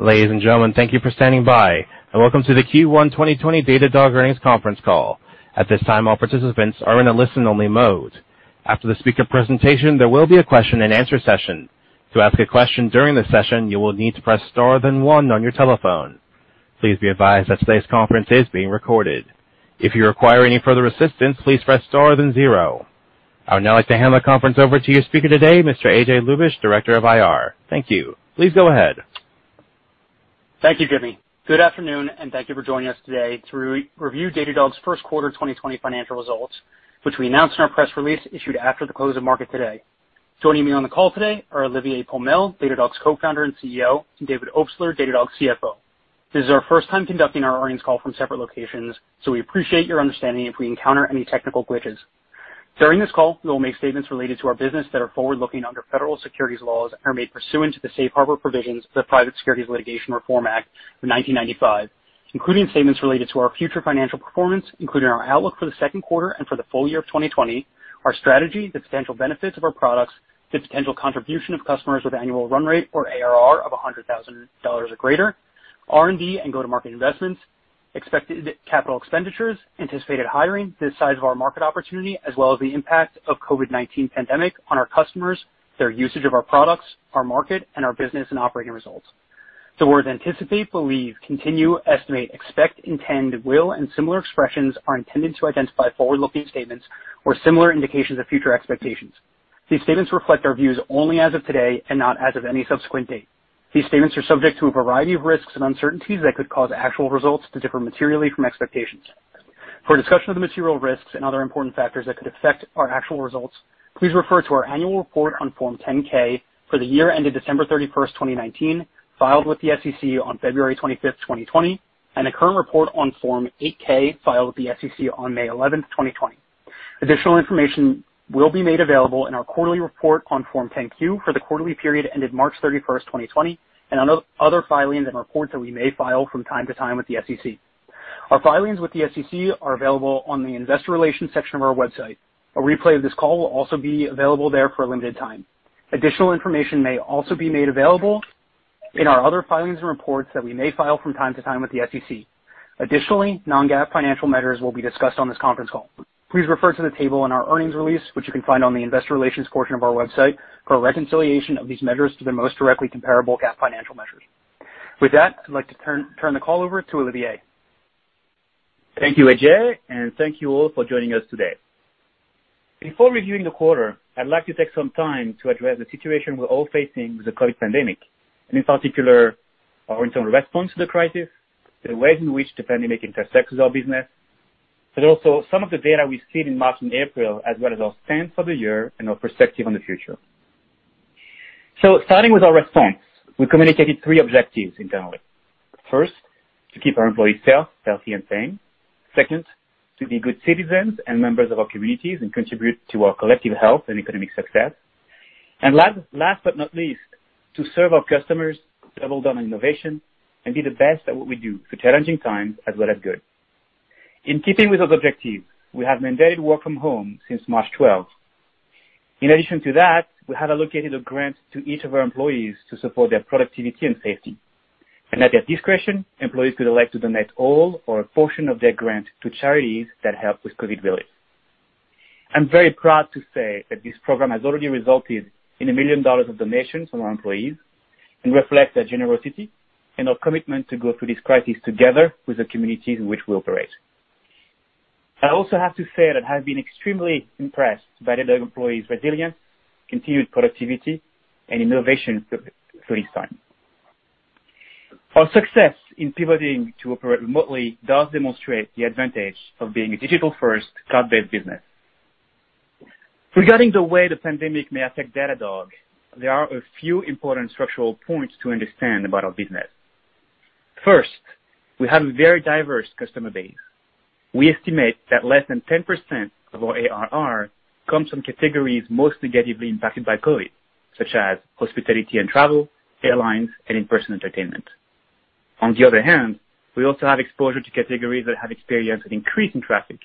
Ladies and gentlemen, thank you for standing by, and welcome to the Q1 2020 Datadog earnings conference call. At this time, all participants are in a listen-only mode. After the speaker presentation, there will be a question-and-answer session. To ask a question during the session, you will need to press star then one on your telephone. Please be advised that today's conference is being recorded. If you require any further assistance, please press star then zero. I would now like to hand the conference over to your speaker today, Mr. AJ Ljubich, Director of IR. Thank you. Please go ahead. Thank you, Jimmy. Good afternoon, and thank you for joining us today to re-review Datadog's first quarter 2020 financial results, which we announced in our press release issued after the close of market today. Joining me on the call today are Olivier Pomel, Datadog's Co-founder and CEO, and David Obstler, Datadog's CFO. This is our first time conducting our earnings call from separate locations, so we appreciate your understanding if we encounter any technical glitches. During this call, we will make statements related to our business that are forward-looking under federal securities laws and are made pursuant to the Safe Harbor provisions of the Private Securities Litigation Reform Act of 1995, including statements related to our future financial performance, including our outlook for the second quarter and for the full year of 2020, our strategy, the potential benefits of our products, the potential contribution of customers with annual run rate or ARR of $100,000 or greater, R&D and go-to-market investments, expected capital expenditures, anticipated hiring, the size of our market opportunity, as well as the impact of COVID-19 pandemic on our customers, their usage of our products, our market, and our business and operating results. The words anticipate, believe, continue, estimate, expect, intend, will, and similar expressions are intended to identify forward-looking statements or similar indications of future expectations. These statements reflect our views only as of today and not as of any subsequent date. These statements are subject to a variety of risks and uncertainties that could cause actual results to differ materially from expectations. For a discussion of the material risks and other important factors that could affect our actual results, please refer to our annual report on Form 10-K for the year ended December 31st, 2019, filed with the SEC on February 25th, 2020, and the current report on Form 8-K, filed with the SEC on May 11th, 2020. Additional information will be made available in our quarterly report on Form 10-Q for the quarterly period ended March 31st, 2020, and on other filings and reports that we may file from time to time with the SEC. Our filings with the SEC are available on the investor relations section of our website. A replay of this call will also be available there for a limited time. Additional information may also be made available in our other filings and reports that we may file from time to time with the SEC. Additionally, non-GAAP financial measures will be discussed on this conference call. Please refer to the table in our earnings release, which you can find on the investor relations portion of our website for a reconciliation of these measures to the most directly comparable GAAP financial measures. With that, I'd like to turn the call over to Olivier. Thank you, AJ, and thank you all for joining us today. Before reviewing the quarter, I'd like to take some time to address the situation we're all facing with the COVID-19 pandemic, and in particular, our internal response to the crisis, the ways in which the pandemic intersects with our business, but also some of the data we've seen in March and April, as well as our plans for the year and our perspective on the future. Starting with our response, we communicated three objectives internally. First, to keep our employees safe, healthy, and sane. Second, to be good citizens and members of our communities, and contribute to our collective health and economic success. Last but not least, to serve our customers, double down on innovation, and be the best at what we do for challenging times as well as good. In keeping with those objectives, we have mandated work from home since March 12th. In addition to that, we have allocated a grant to each of our employees to support their productivity and safety. At their discretion, employees could elect to donate all or a portion of their grant to charities that help with COVID relief. I'm very proud to say that this program has already resulted in $1 million of donations from our employees and reflects their generosity and our commitment to go through this crisis together with the communities in which we operate. I also have to say that I have been extremely impressed by Datadog employees' resilience, continued productivity, and innovation during this time. Our success in pivoting to operate remotely does demonstrate the advantage of being a digital-first, cloud-based business. Regarding the way the pandemic may affect Datadog, there are a few important structural points to understand about our business. We have a very diverse customer base. We estimate that less than 10% of our ARR comes from categories most negatively impacted by COVID, such as hospitality and travel, airlines, and in-person entertainment. We also have exposure to categories that have experienced an increase in traffic,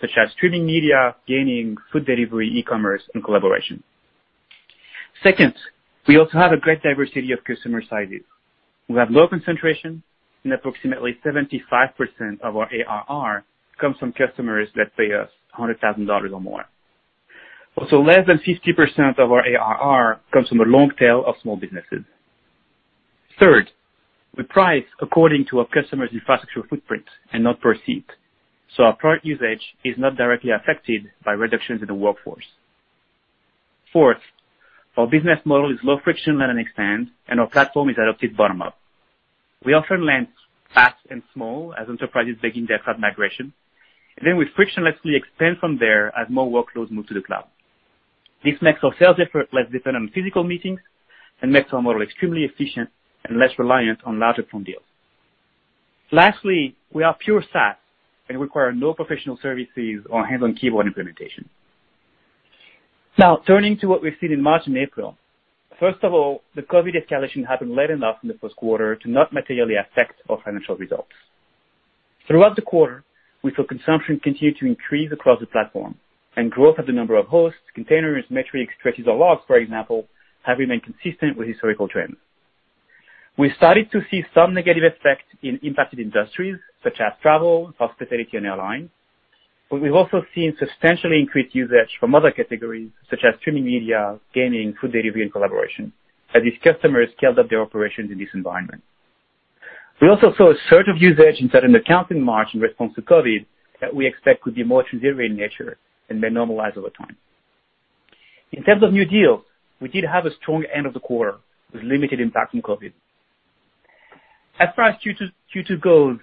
such as streaming media, gaming, food delivery, e-commerce, and collaboration. We also have a great diversity of customer sizes. We have low concentration, and approximately 75% of our ARR comes from customers that pay us $100,000 or more. Less than 50% of our ARR comes from the long tail of small businesses. Third, we price according to a customer's infrastructure footprint and not per seat, so our product usage is not directly affected by reductions in the workforce. Fourth, our business model is low friction, let it expand, and our platform is adopted bottom up. We often land fast and small as enterprises begin their cloud migration, and then we frictionlessly expand from there as more workloads move to the cloud. This makes our sales effort less dependent on physical meetings and makes our model extremely efficient and less reliant on larger phone deals. Lastly, we are pure SaaS and require no professional services or hands-on keyboard implementation. Now, turning to what we've seen in March and April. The COVID escalation happened late enough in the first quarter to not materially affect our financial results. Throughout the quarter, we saw consumption continue to increase across the platform, and growth of the number of hosts, containers, metrics, traces, or logs, for example, have remained consistent with historical trends. We started to see some negative effects in impacted industries such as travel, hospitality, and airlines. We've also seen substantially increased usage from other categories such as streaming media, gaming, food delivery, and collaboration, as these customers scaled up their operations in this environment. We also saw a surge of usage and certain accounts in March in response to COVID that we expect could be more transitory in nature and may normalize over time. In terms of new deals, we did have a strong end of the quarter with limited impact from COVID. As far as Q2 goes,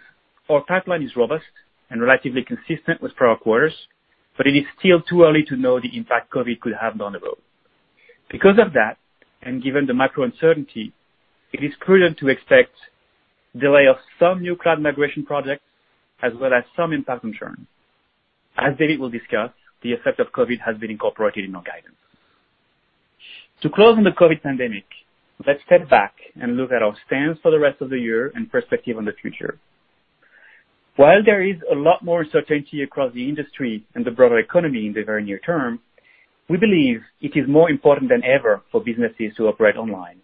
our pipeline is robust and relatively consistent with prior quarters, but it is still too early to know the impact COVID could have on the road. Because of that, and given the macro uncertainty, it is prudent to expect delay of some new cloud migration projects as well as some impact on churn. As David will discuss, the effect of COVID has been incorporated in our guidance. To close on the COVID pandemic, let's step back and look at our stance for the rest of the year and perspective on the future. While there is a lot more uncertainty across the industry and the broader economy in the very near term, we believe it is more important than ever for businesses to operate online,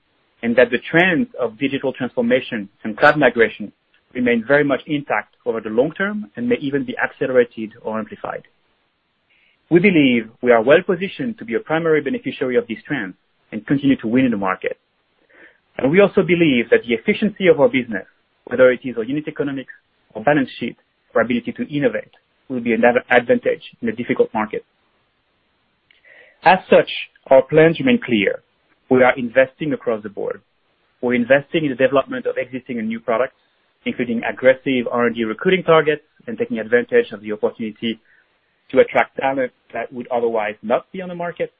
and that the trends of digital transformation and cloud migration remain very much intact over the long term and may even be accelerated or amplified. We believe we are well-positioned to be a primary beneficiary of this trend and continue to win in the market. We also believe that the efficiency of our business, whether it is our unit economics or balance sheet, our ability to innovate will be another advantage in a difficult market. As such, our plans remain clear. We are investing across the board. We're investing in the development of existing and new products, including aggressive R&D recruiting targets, and taking advantage of the opportunity to attract talent that would otherwise not be on the market.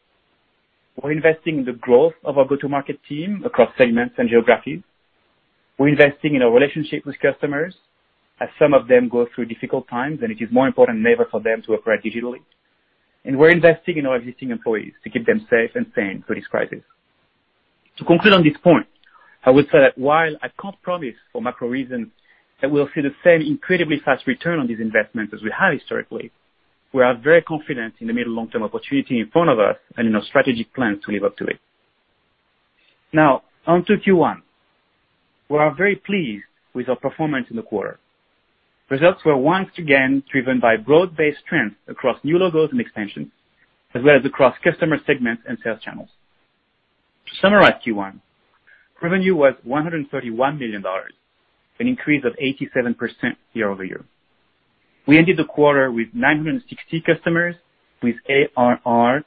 We're investing in the growth of our go-to-market team across segments and geographies. We're investing in our relationship with customers as some of them go through difficult times, and it is more important than ever for them to operate digitally. We're investing in our existing employees to keep them safe and sane through this crisis. To conclude on this point, I would say that while I can't promise for macro reasons that we'll see the same incredibly fast return on these investments as we have historically, we are very confident in the mid- and long-term opportunity in front of us and in our strategic plans to live up to it. Now, on to Q1. We are very pleased with our performance in the quarter. Results were once again driven by broad-based trends across new logos and extensions, as well as across customer segments and sales channels. To summarize Q1, revenue was $131 million, an increase of 87% year-over-year. We ended the quarter with 960 customers with ARR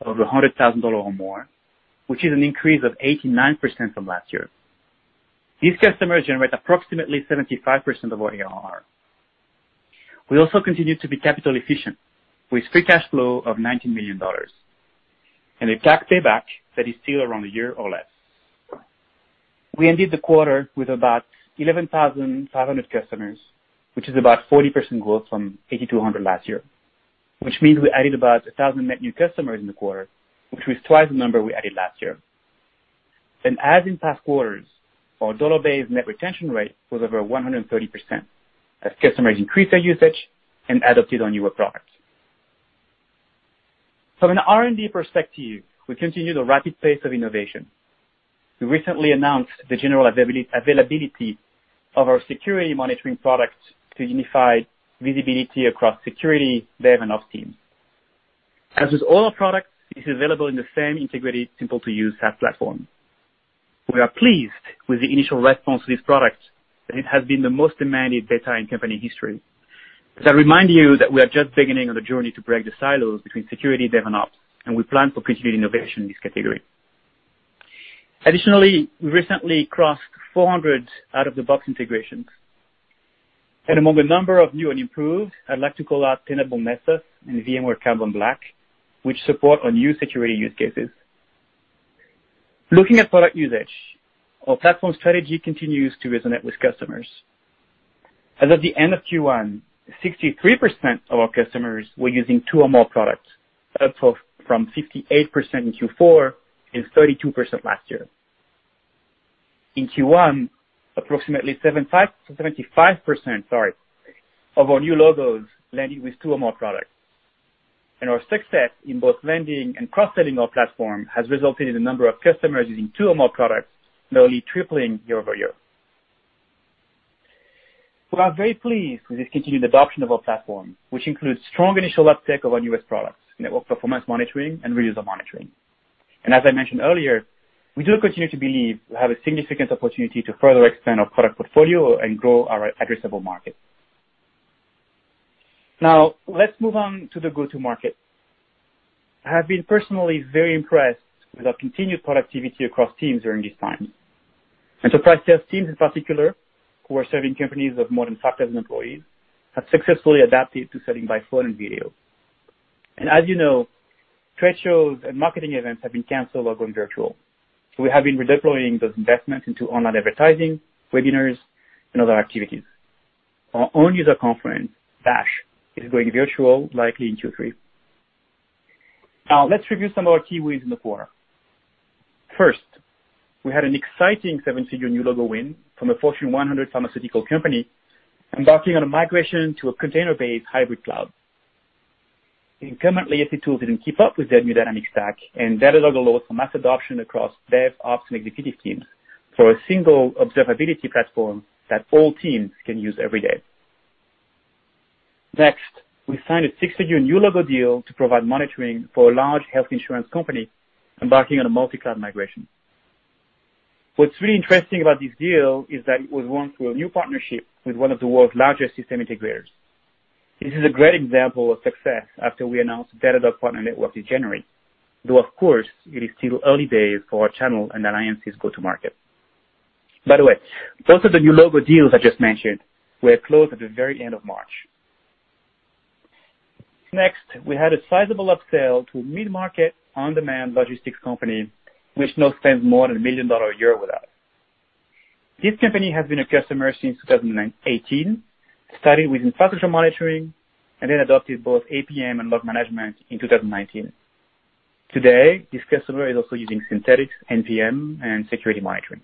of $100,000 or more, which is an increase of 89% from last year. These customers generate approximately 75% of overall ARR. We also continue to be capital efficient with free cash flow of $19 million and a tax payback that is still around a year or less. We ended the quarter with about 11,500 customers, which is about 40% growth from 8,200 last year, which means we added about 1,000 net new customers in the quarter, which was twice the number we added last year. As in past quarters, our dollar-based net retention rate was over 130% as customers increased their usage and adopted our newer products. From an R&D perspective, we continue the rapid pace of innovation. We recently announced the general availability of our Security Monitoring product to unify visibility across security dev and ops teams. As with all our products, it is available in the same integrated, simple-to-use SaaS platform. We are pleased with the initial response to this product, it has been the most demanded beta in company history. I remind you that we are just beginning on the journey to break the silos between security dev and ops, and we plan for continued innovation in this category. Additionally, we recently crossed 400 out-of-the-box integrations. Among a number of new and improved, I'd like to call out Tenable.sc and VMware Carbon Black, which support our new security use cases. Looking at product usage, our platform strategy continues to resonate with customers. At the end of Q1, 63% of our customers were using two or more products, up from 58% in Q4 and 32% last year. In Q1, approximately 75% sorry, of our new logos landing with two or more products. Our success in both landing and cross-selling our platform has resulted in a number of customers using two or more products, nearly tripling year-over-year. We are very pleased with this continued adoption of our platform, which includes strong initial uptake of our newest products, Network Performance Monitoring and Real User Monitoring. As I mentioned earlier, we do continue to believe we have a significant opportunity to further expand our product portfolio and grow our addressable market. Let's move on to the go-to-market. I have been personally very impressed with our continued productivity across teams during these times. Sales teams in particular, who are serving companies of more than 5,000 employees, have successfully adapted to selling by phone and video. As you know, trade shows and marketing events have been canceled or gone virtual. We have been redeploying those investments into online advertising, webinars, and other activities. Our own user conference, DASH, is going virtual likely in Q3. Let's review some of our key wins in the quarter. First, we had an exciting seven-figure new logo win from a Fortune 100 pharmaceutical company embarking on a migration to a container-based hybrid cloud. The incumbent legacy tool didn't keep up with its new dynamic stack, and Datadog allows for mass adoption across dev, ops, and executive teams for a single observability platform that all teams can use every day. Next, we signed a six-figure new logo deal to provide monitoring for a large health insurance company embarking on a multi-cloud migration. What's really interesting about this deal is that it was won through a new partnership with one of the world's largest system integrators. This is a great example of success after we announced Datadog Partner Network in January, though of course, it is still early days for our channel and alliances go-to-market. By the way, both of the new logo deals I just mentioned were closed at the very end of March. Next, we had a sizable upsell to a mid-market on-demand logistics company, which now spends more than $1 million a year with us. This company has been a customer since 2018. It started with Infrastructure Monitoring and then adopted both APM and Log Management in 2019. Today, this customer is also using Synthetics, NPM, and Security Monitoring.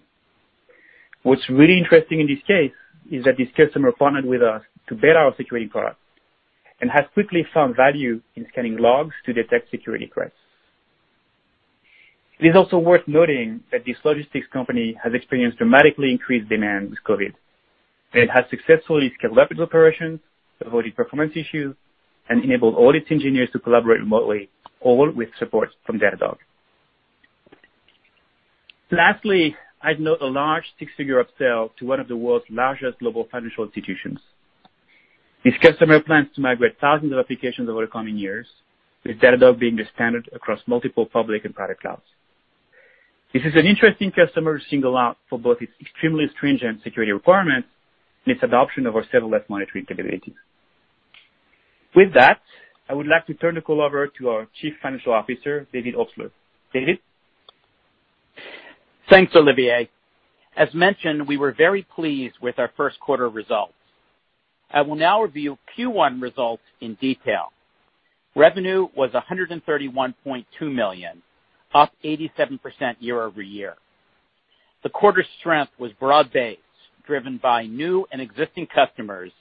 What's really interesting in this case is that this customer partnered with us to beta our security product and has quickly found value in scanning logs to detect security threats. It is also worth noting that this logistics company has experienced dramatically increased demand with COVID-19. It has successfully scaled rapid operations, avoided performance issues, and enabled all its engineers to collaborate remotely, all with support from Datadog. Lastly, I'd note a large six-figure upsell to one of the world's largest global financial institutions. This customer plans to migrate thousands of applications over the coming years, with Datadog being the standard across multiple public and private clouds. This is an interesting customer, singled out for both its extremely stringent security requirements and its adoption of our Serverless Monitoring capabilities. With that, I would like to turn the call over to our Chief Financial Officer, David Obstler. David? Thanks, Olivier. As mentioned, we were very pleased with our first quarter results. I will now review Q 1 results in detail. Revenue was $131.2 million, up 87% year-over-year. The quarter's strength was broad-based, driven by new and existing customers,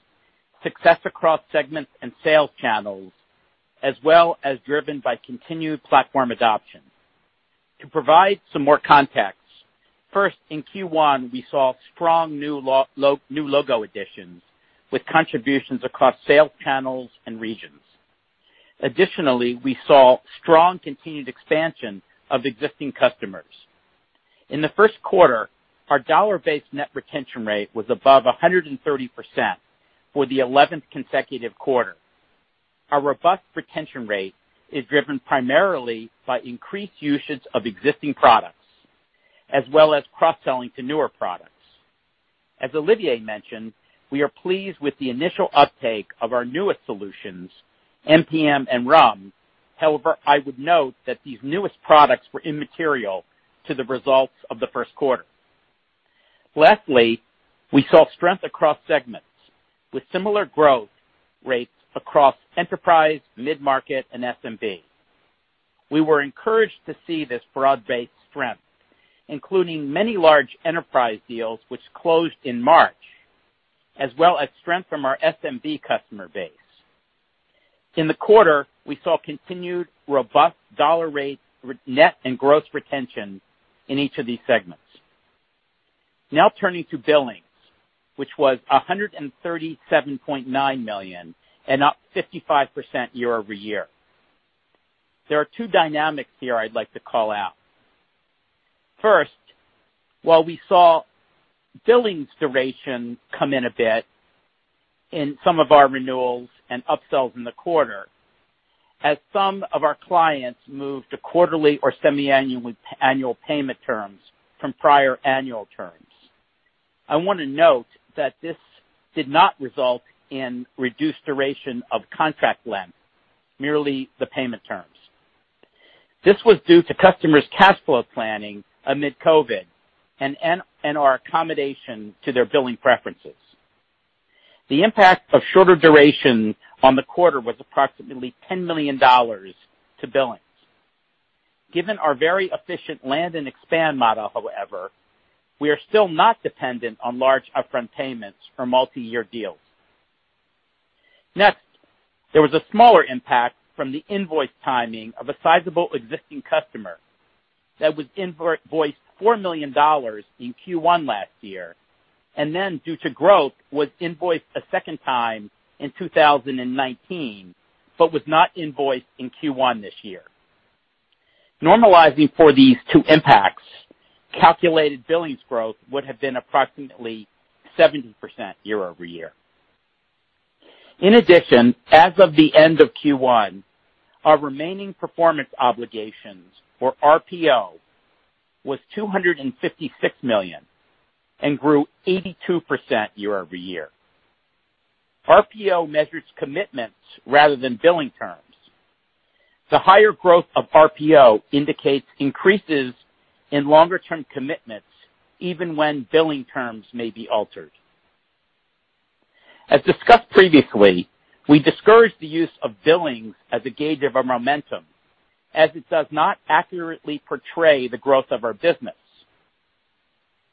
success across segments and sales channels, as well as driven by continued platform adoption. To provide some more context, first, in Q1, we saw strong new logo additions with contributions across sales channels and regions. Additionally, we saw strong continued expansion of existing customers. In the first quarter, our dollar-based net retention rate was above 130% for the 11th consecutive quarter. Our robust retention rate is driven primarily by increased usage of existing products as well as cross-selling to newer products. As Olivier mentioned, we are pleased with the initial uptake of our newest solutions, NPM and RUM. I would note that these newest products were immaterial to the results of the first quarter. We saw strength across segments with similar growth rates across enterprise, mid-market, and SMB. We were encouraged to see this broad-based strength, including many large enterprise deals which closed in March, as well as strength from our SMB customer base. In the quarter, we saw continued robust dollar rate net and gross retention in each of these segments. Turning to billings, which were $137.9 million and up 55% year-over-year. There are two dynamics here I'd like to call out. First, while we saw billings duration come in a bit in some of our renewals and upsells in the quarter, as some of our clients moved to quarterly or semi-annual payment terms from prior annual terms. I want to note that this did not result in reduced duration of contract length, merely the payment terms. This was due to customers' cash flow planning amid COVID and our accommodation to their billing preferences. The impact of shorter duration on the quarter was approximately $10 million on billings. Given our very efficient land and expand model, however, we are still not dependent on large upfront payments for multi-year deals. There was a smaller impact from the invoice timing of a sizable existing customer that was invoiced $4 million in Q1 last year, and then due to growth, was invoiced a second time in 2019, but was not invoiced in Q1 this year. Normalizing for these two impacts, calculated billings growth would have been approximately 70% year-over-year. As of the end of Q1, our remaining performance obligations, or RPO, was $256 million and grew 82% year-over-year. RPO measures commitments rather than billing terms. The higher growth of RPO indicates increases in longer-term commitments, even when billing terms may be altered. As discussed previously, we discourage the use of billings as a gauge of our momentum, as it does not accurately portray the growth of our business.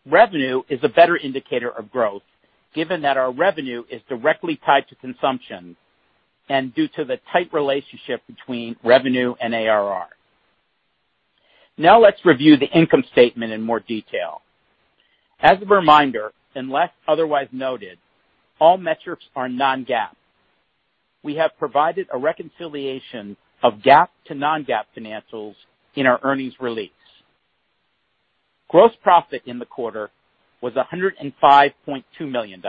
Revenue is a better indicator of growth, given that our revenue is directly tied to consumption and due to the tight relationship between revenue and ARR. Let's review the income statement in more detail. As a reminder, unless otherwise noted, all metrics are non-GAAP. We have provided a reconciliation of GAAP to non-GAAP financials in our earnings release. Gross profit in the quarter was $105.2 million,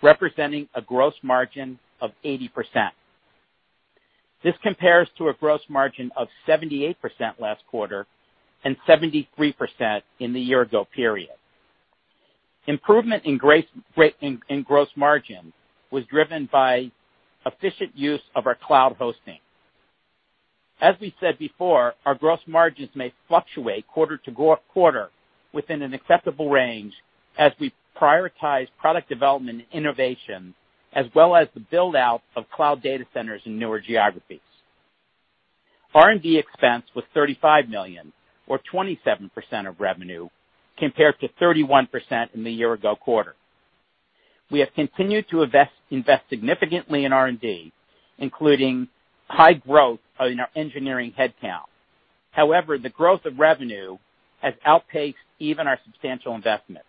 representing a gross margin of 80%. This compares to a gross margin of 78% last quarter and 73% in the year-ago period. Improvement in gross margin was driven by efficient use of our cloud hosting. As we said before, our gross margins may fluctuate quarter within an acceptable range as we prioritize product development and innovation, as well as the build-out of cloud data centers in newer geographies. R&D expense was $35 million or 27% of revenue, compared to 31% in the year-ago quarter. We have continued to invest significantly in R&D, including high growth in our engineering headcount. The growth of revenue has outpaced even our substantial investments.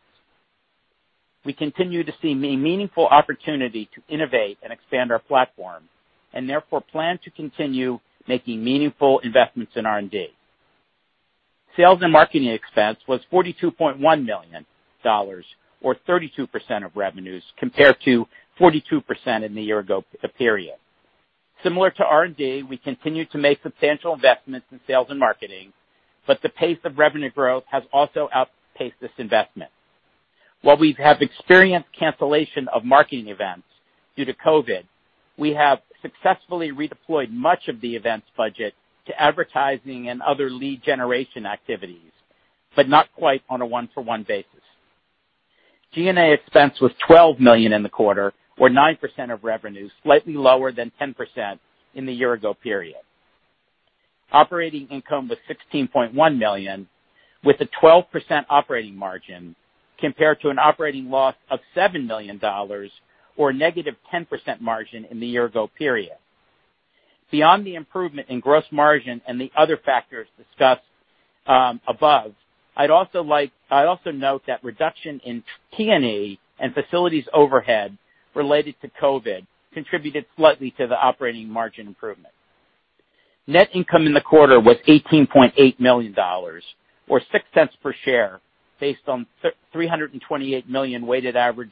We continue to see meaningful opportunity to innovate and expand our platform, therefore plan to continue making meaningful investments in R&D. Sales and marketing expense was $42.1 million, or 32% of revenues, compared to 42% in the year-ago period. Similar to R&D, we continue to make substantial investments in sales and marketing, but the pace of revenue growth has also outpaced this investment. While we have experienced cancellation of marketing events due to COVID, we have successfully redeployed much of the events budget to advertising and other lead generation activities, but not quite on a one-for-one basis. G&A expense was $12 million in the quarter, or 9% of revenues, slightly lower than 10% in the year-ago period. Operating income was $16.1 million, with a 12% operating margin, compared to an operating loss of $7 million or negative 10% margin in the year-ago period. Beyond the improvement in gross margin and the other factors discussed above, I'd also note that reduction in T&E and facilities overhead related to COVID contributed slightly to the operating margin improvement. Net income in the quarter was $18.8 million or $0.06 per share, based on $328 million weighted average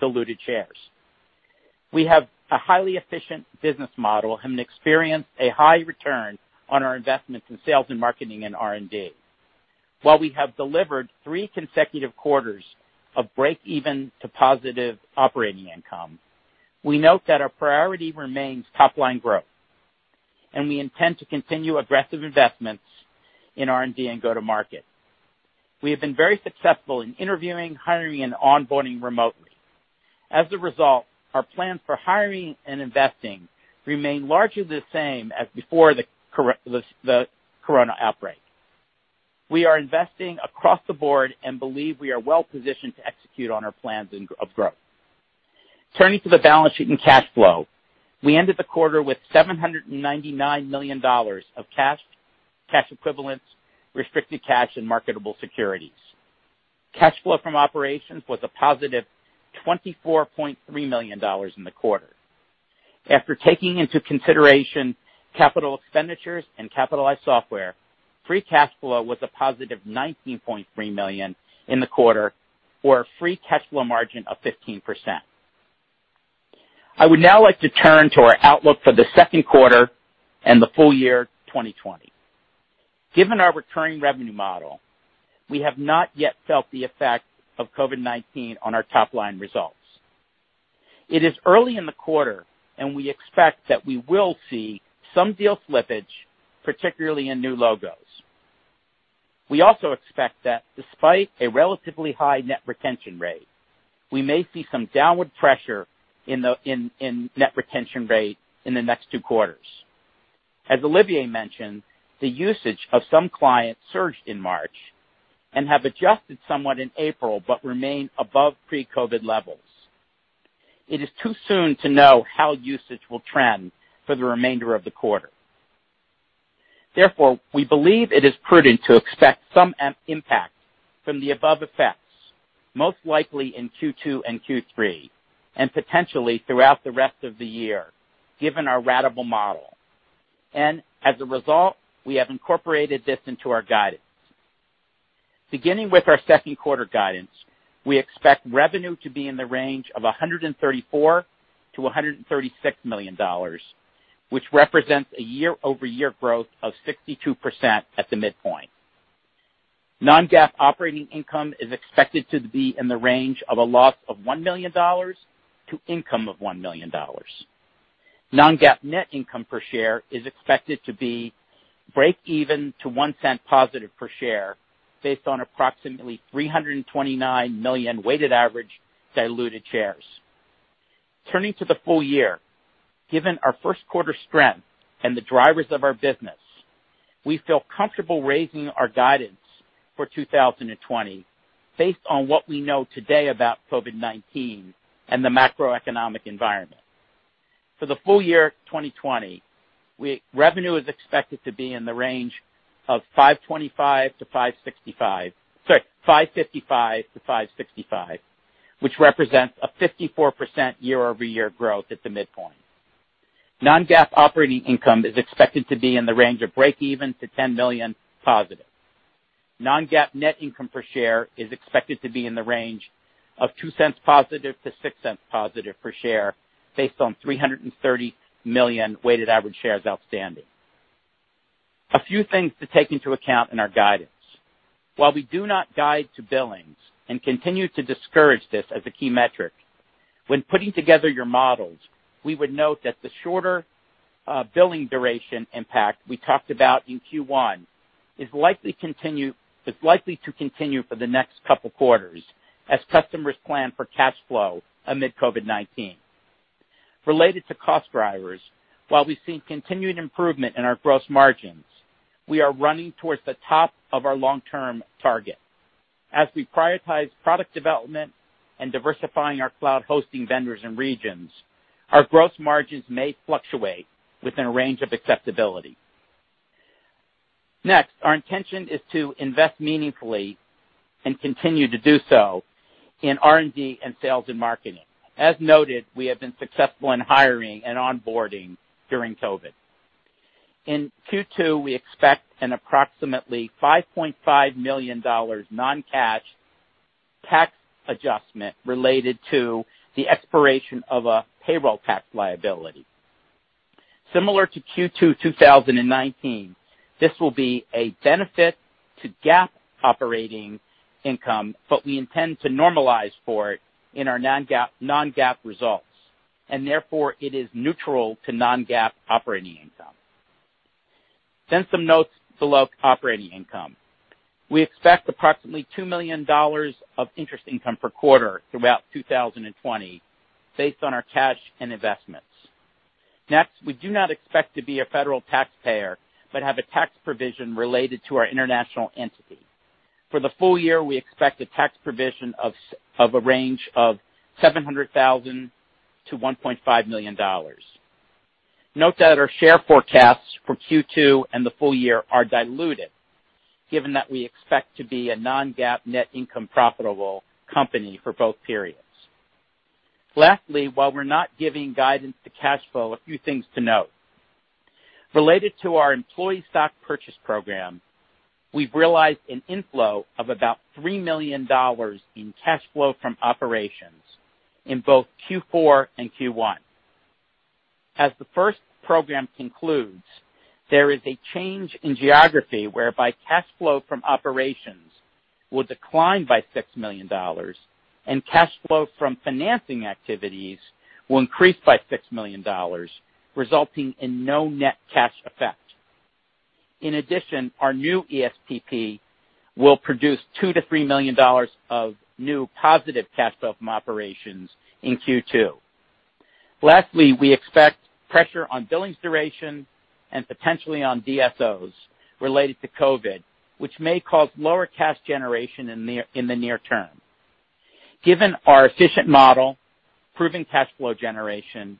diluted shares. We have a highly efficient business model and experience a high return on our investments in sales and marketing and R&D. While we have delivered three consecutive quarters of break-even to positive operating income, we note that our priority remains top-line growth, and we intend to continue aggressive investments in R&D and go-to-market. We have been very successful in interviewing, hiring, and onboarding remotely. As a result, our plans for hiring and investing remain largely the same as before the corona outbreak. We are investing across the board and believe we are well-positioned to execute on our plans of growth. Turning to the balance sheet and cash flow, we ended the quarter with $799 million of cash equivalents, restricted cash, and marketable securities. Cash flow from operations was a positive $24.3 million in the quarter. After taking into consideration capital expenditures and capitalized software, free cash flow was a positive $19.3 million in the quarter, or a free cash flow margin of 15%. I would now like to turn to our outlook for the second quarter and the full-year 2020. Given our recurring revenue model, we have not yet felt the effect of COVID-19 on our top line results. It is early in the quarter, we expect that we will see some deal slippage, particularly in new logos. We also expect that despite a relatively high net retention rate, we may see some downward pressure in net retention rate in the next two quarters. As Olivier mentioned, the usage of some clients surged in March and has adjusted somewhat in April but remain above pre-COVID levels. It is too soon to know how usage will trend for the remainder of the quarter. Therefore, we believe it is prudent to expect some impact from the above effects, most likely in Q2 and Q3, and potentially throughout the rest of the year, given our ratable model. As a result, we have incorporated this into our guidance. Beginning with our second quarter guidance, we expect revenue to be in the range of $134 million-$136 million, which represents a year-over-year growth of 62% at the midpoint. Non-GAAP operating income is expected to be in the range of a loss of $1 million to income of $1 million. Non-GAAP net income per share is expected to be breakeven to $0.01 positive per share based on approximately 329 million weighted average diluted shares. Turning to the full-year, given our first quarter strength and the drivers of our business, we feel comfortable raising our guidance for 2020 based on what we know today about COVID-19 and the macroeconomic environment. For the full-year 2020, revenue is expected to be in the range of $525 million-$565 million. Sorry, $555 million-$565 million, which represents a 54% year-over-year growth at the midpoint. Non-GAAP operating income is expected to be in the range of breakeven to $10 million positive. Non-GAAP net income per share is expected to be in the range of $0.02 positive to $0.06 positive per share based on 330 million weighted average shares outstanding. A few things to take into account in our guidance. While we do not guide to billings and continue to discourage this as a key metric, when putting together your models, we would note that the shorter billing duration impact we talked about in Q1 is likely to continue for the next couple quarters as customers plan for cash flow amid COVID-19. Related to cost drivers, while we've seen continued improvement in our gross margins, we are running towards the top of our long-term target. As we prioritize product development and diversifying our cloud hosting vendors and regions, our gross margins may fluctuate within a range of acceptability. Our intention is to invest meaningfully and continue to do so in R&D and sales and marketing. As noted, we have been successful in hiring and onboarding during COVID. In Q2, we expect an approximately $5.5 million non-cash tax adjustment related to the expiration of a payroll tax liability. Similar to Q2 2019, this will be a benefit to GAAP operating income, but we intend to normalize for it in our non-GAAP results, and therefore it is neutral to non-GAAP operating income. Some notes below operating income. We expect approximately $2 million of interest income per quarter throughout 2020 based on our cash and investments. We do not expect to be a federal taxpayer but have a tax provision related to our international entity. For the full-year, we expect a tax provision of a range of $700,000-$1.5 million. Note that our share forecasts for Q2 and the full-year are diluted, given that we expect to be a non-GAAP net income profitable company for both periods. Lastly, while we're not giving guidance to cash flow, a few things to note. Related to our employee stock purchase program, we've realized an inflow of about $3 million in cash flow from operations in both Q4 and Q1. As the first program concludes, there is a change in geography whereby cash flow from operations will decline by $6 million and cash flow from financing activities will increase by $6 million, resulting in no net cash effect. Our new ESPP will produce $2 million-$3 million of new positive cash flow from operations in Q2. We expect pressure on billings duration and potentially on DSOs related to COVID, which may cause lower cash generation in the near term. Given our efficient model, proven cash flow generation,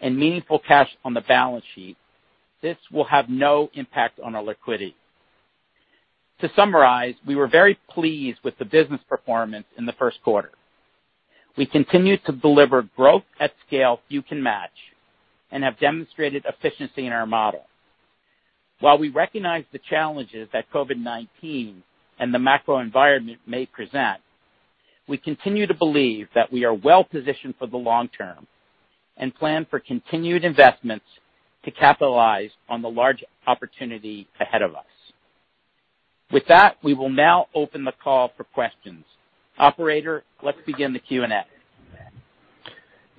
and meaningful cash on the balance sheet, this will have no impact on our liquidity. We were very pleased with the business performance in the first quarter. We continue to deliver growth at scale few can match and have demonstrated efficiency in our model. While we recognize the challenges that COVID-19 and the macro environment may present, we continue to believe that we are well-positioned for the long term and plan for continued investments to capitalize on the large opportunity ahead of us. With that, we will now open the call for questions. Operator, let's begin the Q&A.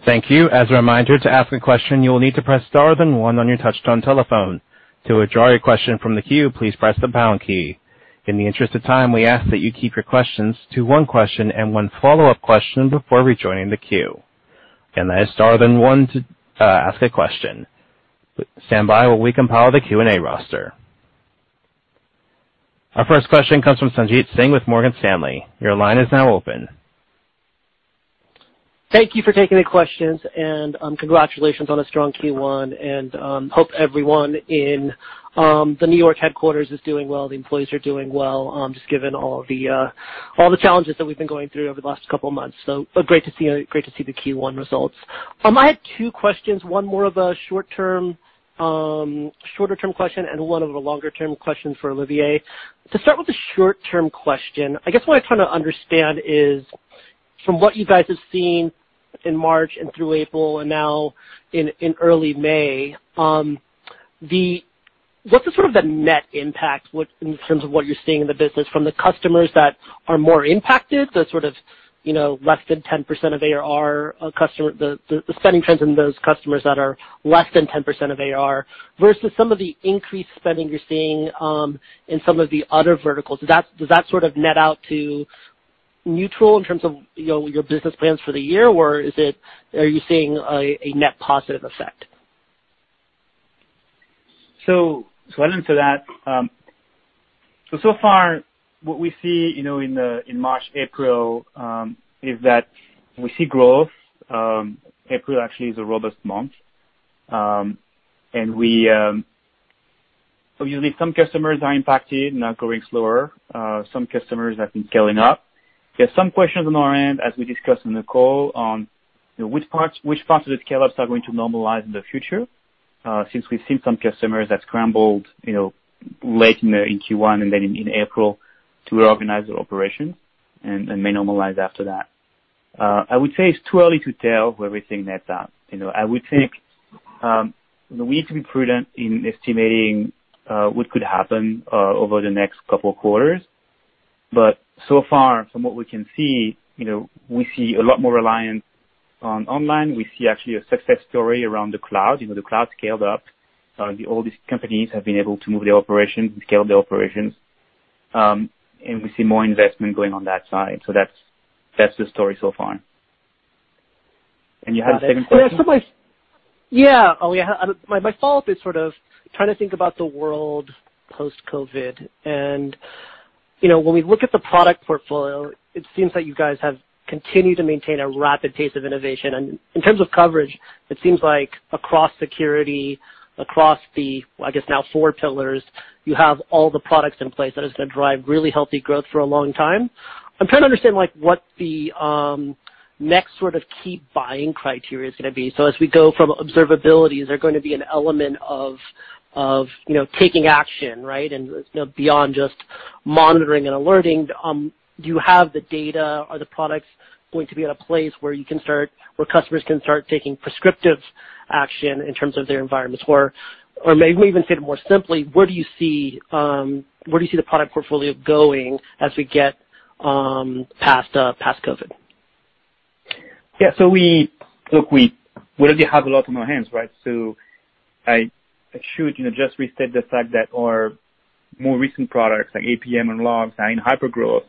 Thank you. As a reminder, to ask a question, you will need to press star then one on your touchtone telephone. To withdraw your question from the queue, please press the pound key. In the interest of time, we ask that you keep your questions to one question and one follow-up question before rejoining the queue. Again, that is star then one to ask a question. Stand by while we compile the Q&A roster. Our first question comes from Sanjit Singh with Morgan Stanley. Your line is now open. Thank you for taking the questions. Congratulations on a strong Q1 and hope everyone in the New York headquarters is doing well, the employees are doing well, just given all the challenges that we've been going through over the last couple of months. Great to see the Q1 results. I had two questions, one more of a short term, shorter term question and one of a longer term question for Olivier. To start with the short term question, I guess what I'm trying to understand is from what you guys have seen in March and through April and now in early May, what's the sort of the net impact with, in terms of what you're seeing in the business from the customers that are more impacted, the sort of, you know, less than 10% of ARR, customer, the spending trends in those customers that are less than 10% of ARR versus some of the increased spending you're seeing in some of the other verticals. Does that, does that sort of net out to neutral in terms of, you know, your business plans for the year? Or are you seeing a net positive effect? I'll answer that. Far what we see, you know, in March, April, is that we see growth. April actually is a robust month. And we, obviously, some customers are impacted and are growing slower. Some customers have been scaling up. There's some questions on our end, as we discussed on the call, on, you know, which parts of the scale-ups are going to normalize in the future, since we've seen some customers that scrambled, you know, late in Q1 and then in April to reorganize their operation and may normalize after that. I would say it's too early to tell where we think net's at. You know, I would think, you know, we need to be prudent in estimating what could happen over the next two quarters. So far, from what we can see, you know, we see a lot more reliance on online. We see actually a success story around the cloud. You know, the cloud scaled up. All these companies have been able to move their operations and scale their operations. We see more investment going on that side. That's the story so far. You had a second question? Yeah. Oh, yeah. My follow-up is sort of trying to think about the world post-COVID. You know, when we look at the product portfolio, it seems like you guys have continued to maintain a rapid pace of innovation. In terms of coverage, it seems like across security, across the, I guess, now four pillars, you have all the products in place that is gonna drive really healthy growth for a long time. I'm trying to understand like what the next sort of key buying criteria is gonna be. As we go from observability, is there gonna be an element of, you know, taking action, right? You know, beyond just monitoring and alerting, do you have the data? Are the products going to be at a place where customers can start taking prescriptive action in terms of their environments? Maybe even say it more simply, where do you see the product portfolio going as we get past COVID-19? Look, we already have a lot on our hands, right? I should, you know, just restate the fact that our more recent products like APM and Logs are in hypergrowth.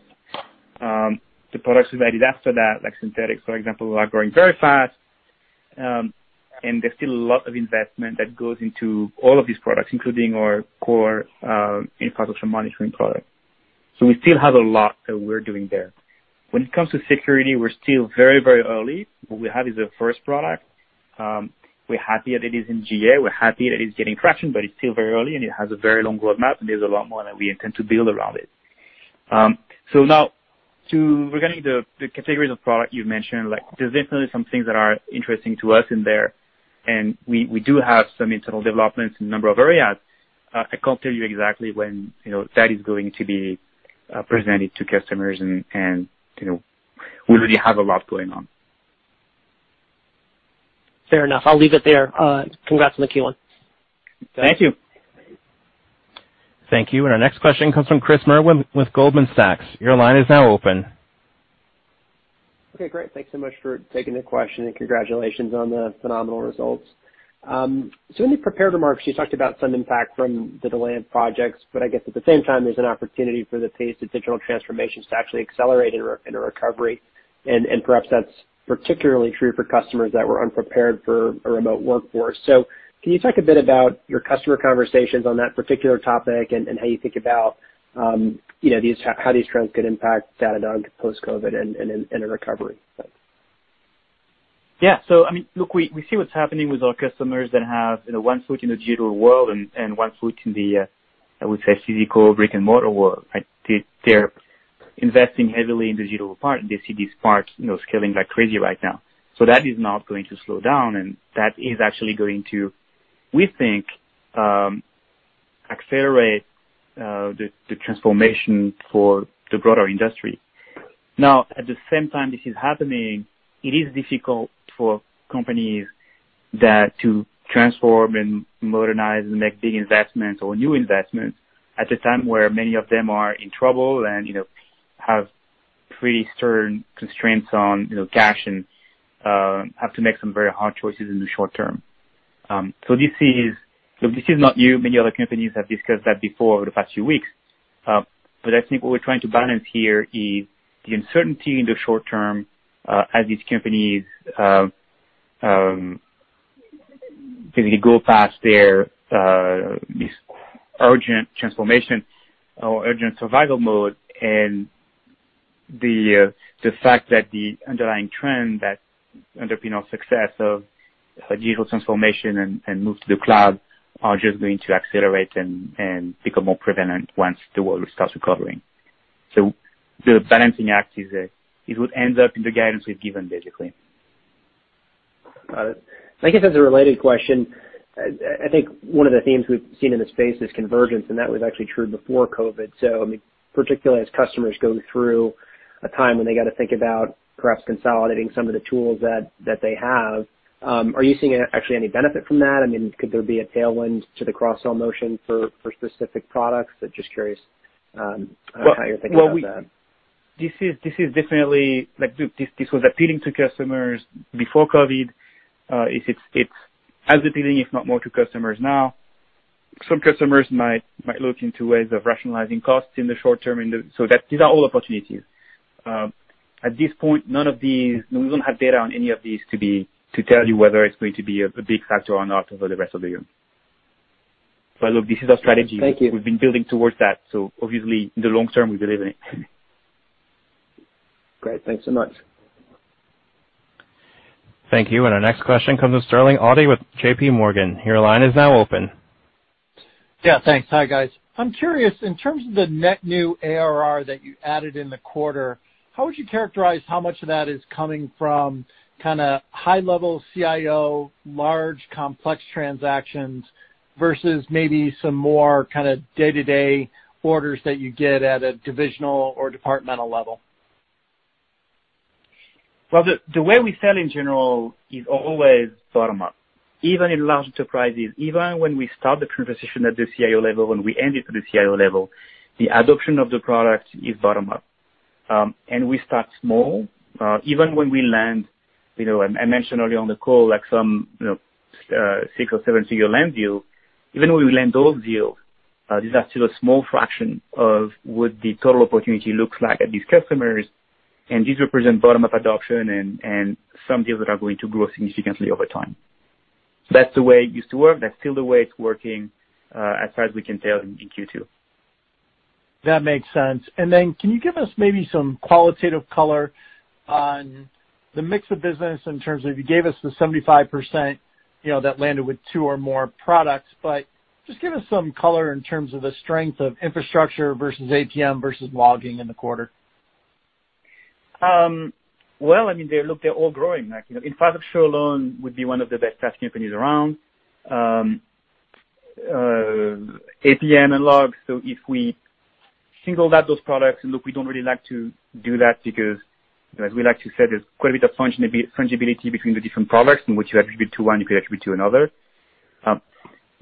The products we've added after that, like Synthetics, for example, are growing very fast. There's still a lot of investment that goes into all of these products, including our core Infrastructure Monitoring product. We still have a lot that we're doing there. When it comes to security, we're still very, very early. What we have is a first product. We're happy that it is in GA. We're happy that it's getting traction, but it's still very early, and it has a very long roadmap, and there's a lot more that we intend to build around it. Now to, regarding the categories of product you mentioned, like there's definitely some things that are interesting to us in there, and we do have some internal developments in a number of areas. I can't tell you exactly when, you know, that is going to be, presented to customers and, you know, we already have a lot going on. Fair enough. I'll leave it there. Congrats on the Q1. Thank you. Thank you. Our next question comes from Chris Merwin with Goldman Sachs. Your line is now open. Okay, great. Thanks so much for taking the question and congratulations on the phenomenal results. In the prepared remarks, you talked about some impact from the delay in projects, but I guess at the same time, there's an opportunity for the pace of digital transformations to actually accelerate in a recovery. Perhaps that's particularly true for customers that were unprepared for a remote workforce. Can you talk a bit about your customer conversations on that particular topic and how you think about, you know, how these trends could impact Datadog post-COVID and in a recovery? Thanks. Yeah. I mean, look, we see what's happening with our customers that have, you know, one foot in the digital world and one foot in the, I would say, physical brick-and-mortar world, right? They're investing heavily in the digital part. They see these parts, you know, scaling like crazy right now. That is not going to slow down, and that is actually going to, we think, accelerate the transformation for the broader industry. Now, at the same time this is happening, it is difficult for companies that to transform and modernize and make big investments or new investments at a time where many of them are in trouble and, you know, have pretty stern constraints on, you know, cash and have to make some very hard choices in the short term. This is not new. Many other companies have discussed that before over the past few weeks. I think what we're trying to balance here is the uncertainty in the short term, as these companies, you know, go past their, this urgent transformation or urgent survival mode, and the fact that the underlying trend that underpins our success of digital transformation and move to the cloud are just going to accelerate and become more prevalent once the world starts recovering. The balancing act is what ends up in the guidance we've given basically. I guess as a related question, I think one of the themes we've seen in the space is convergence, and that was actually true before COVID. I mean, particularly as customers go through a time when they gotta think about perhaps consolidating some of the tools that they have, are you seeing actually any benefit from that? I mean, could there be a tailwind to the cross-sell motion for specific products? Just curious, how you're thinking about that. Well, this is definitely appealing to customers before COVID. It's as appealing, if not more to customers now. Some customers might look into ways of rationalizing costs in the short term. These are all opportunities. At this point, we don't have data on any of these to tell you whether it's going to be a big factor or not over the rest of the year. Look, this is our strategy. Thank you. We've been building towards that, so obviously, in the long term, we believe in it. Great. Thanks so much. Thank you. Our next question comes from Sterling Auty with JPMorgan. Your line is now open. Yeah, thanks. Hi, guys. I'm curious, in terms of the net new ARR that you added in the quarter, how would you characterize how much of that is coming from kinda high-level CIO, large, complex transactions versus maybe some more kinda day-to-day orders that you get at a divisional or departmental level? Well, the way we sell in general is always bottom-up. Even in large enterprises, even when we start the conversation at the CIO level, and we end it at the CIO level, the adoption of the product is bottom-up. We start small. Even when we land, you know, I mentioned earlier on the call, like some, you know, 6 or 7-figure land deal. Even when we land those deals, this is actually a small fraction of what the total opportunity looks like at these customers; these represent bottom-up adoption and some deals that are going to grow significantly over time. That's the way it used to work. That's still the way it's working, as far as we can tell in Q2. That makes sense. Then can you give us maybe some qualitative color on the mix of business in terms of you gave us the 75%, you know, that landed with two or more products, but just give us some color in terms of the strength of Infrastructure versus APM versus logging in the quarter? Well, I mean, look, they're all growing. Like, you know, in fact Infrastructure alone would be one of the best SaaS companies around. APM and logs, if we single out those products, look, we don't really like to do that because as we like to say, there's quite a bit of fungibility between the different products in which you attribute to one, you could attribute to another.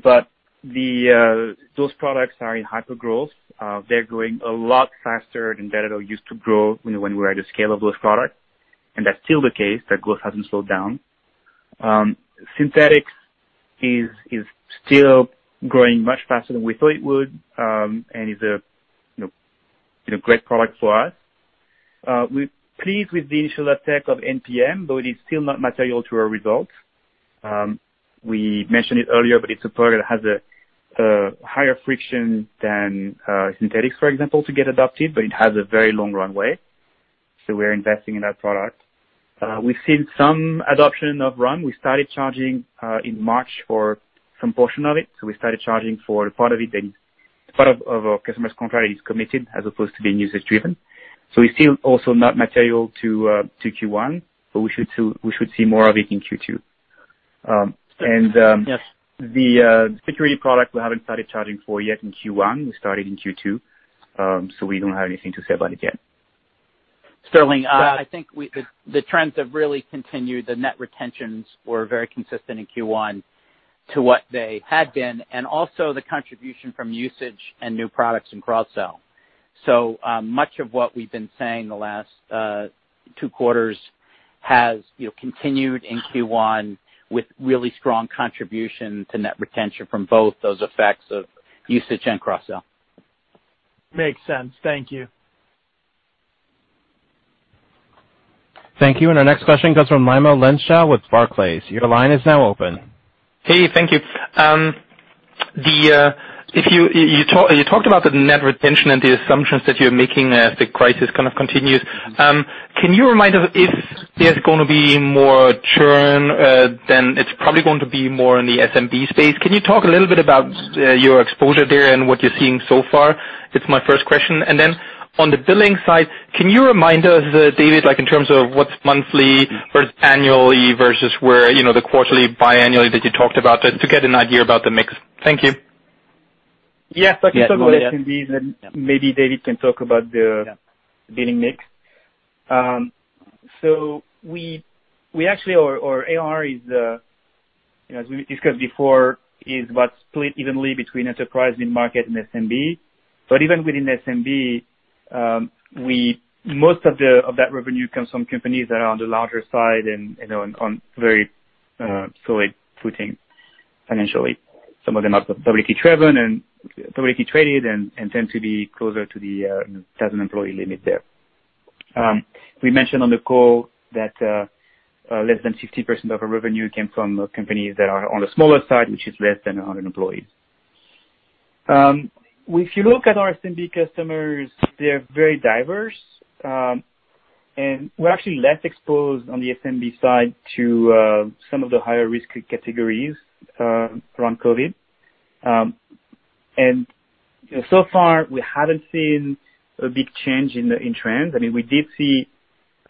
The those products are in hypergrowth. They're growing a lot faster than Datadog used to grow when we were at the scale of those products. That's still the case, that growth hasn't slowed down. Synthetics is still growing much faster than we thought it would, is a, you know, great product for us. We're pleased with the initial uptake of NPM; it is still not material to our results. We mentioned it earlier, it's a product that has a higher friction than Synthetics, for example, to get adopted, it has a very long runway. We're investing in that product. We've seen some adoption of RUM. We started charging in March for some portion of it. We started charging for part of it, and part of our customers' contract is committed as opposed to being usage driven. It's still also not material to Q1, we should see more of it in Q2. Yes. The security product we haven't started charging for yet in Q1. We started in Q2; we don't have anything to say about it yet. Sterling. Well, I think the trends have really continued. The net retentions were very consistent in Q1 to what they had been, and also the contribution from usage and new products in cross-sell. Much of what we've been saying the last two quarters has, you know, continued in Q1 with really strong contribution to net retention from both those effects of usage and cross-sell. Makes sense. Thank you. Thank you. Our next question comes from Raimo Lenschow with Barclays. Your line is now open. Hey, thank you. If you talked about the net retention and the assumptions that you're making as the crisis kind of continues. Can you remind us if there's gonna be more churn, then it's probably going to be more in the SMB space. Can you talk a little bit about your exposure there and what you're seeing so far? It's my first question. Then on the billing side, can you remind us, David, like in terms of what's monthly versus annually versus where, you know, the quarterly, biannually that you talked about, just to get an idea about the mix. Thank you. Yes, I can talk about SMB, then maybe David can talk about. Yeah. -billing mix. ARR is, you know, as we discussed before, is about split evenly between enterprise, mid-market, and SMB. Even within SMB, we most of the of that revenue comes from companies that are on the larger side and, you know, on very solid footing financially. Some of them are publicly traded and tend to be closer to the 1,000 employee limit there. We mentioned on the call that less than 60% of our revenue came from companies that are on the smaller side, which is less than 100 employees. If you look at our SMB customers, they're very diverse. We're actually less exposed on the SMB side to some of the higher-risk categories around COVID. So far, we haven't seen a big change in trends. We did see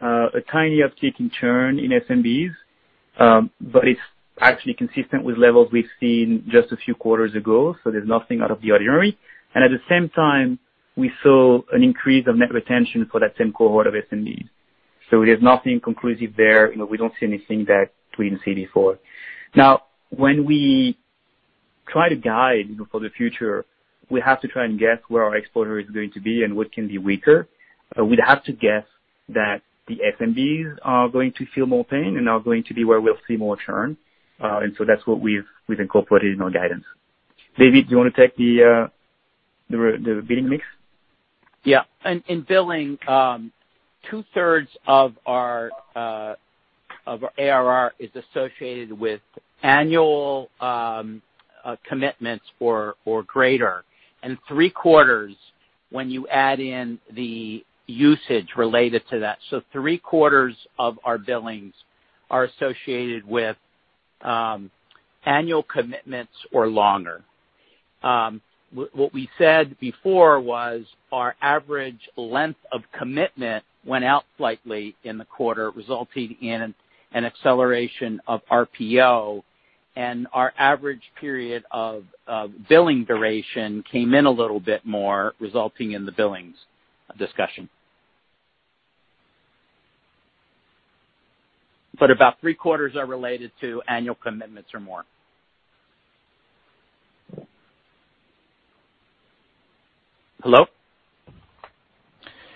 a tiny uptick in churn in SMBs, but it's actually consistent with levels we've seen just a few quarters ago, so there's nothing out of the ordinary. At the same time, we saw an increase of net retention for that same cohort of SMBs. There's nothing conclusive there. You know, we don't see anything that we didn't see before. Now, when we try to guide for the future, we have to try and guess where our exposure is going to be and what can be weaker. We'd have to guess that the SMBs are going to feel more pain and are going to be where we'll see more churn. That's what we've incorporated in our guidance. David, do you wanna take the billing mix? Yeah. In billing, 2/3 of our ARR is associated with annual commitments or greater. Three- quarters when you add in the usage related to that. Three-quarters of our billings are associated with annual commitments or longer. What we said before was our average length of commitment went out slightly in the quarter, resulting in an acceleration of RPO and our average period of billing duration came in a little bit more, resulting in the billings discussion. About three-quarters are related to annual commitments or more. Hello?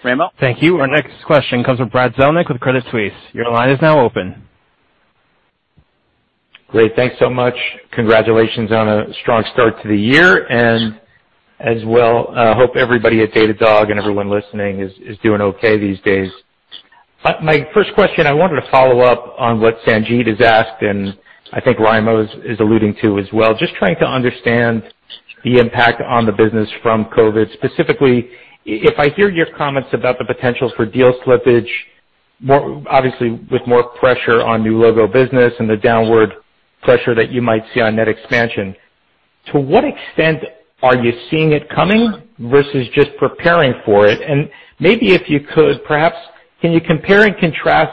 Raimo? Thank you. Our next question comes from Brad Zelnick with Credit Suisse. Great. Thanks so much. Congratulations on a strong start to the year, and as well, hope everybody at Datadog and everyone listening is doing okay these days. My first question, I wanted to follow up on what Sanjit has asked, and I think Raimo is alluding to as well, just trying to understand the impact on the business from COVID-19. Specifically, if I hear your comments about the potential for deal slippage, obviously, with more pressure on new logo business and the downward pressure that you might see on net expansion, to what extent are you seeing it coming versus just preparing for it? Maybe if you could, perhaps can you compare and contrast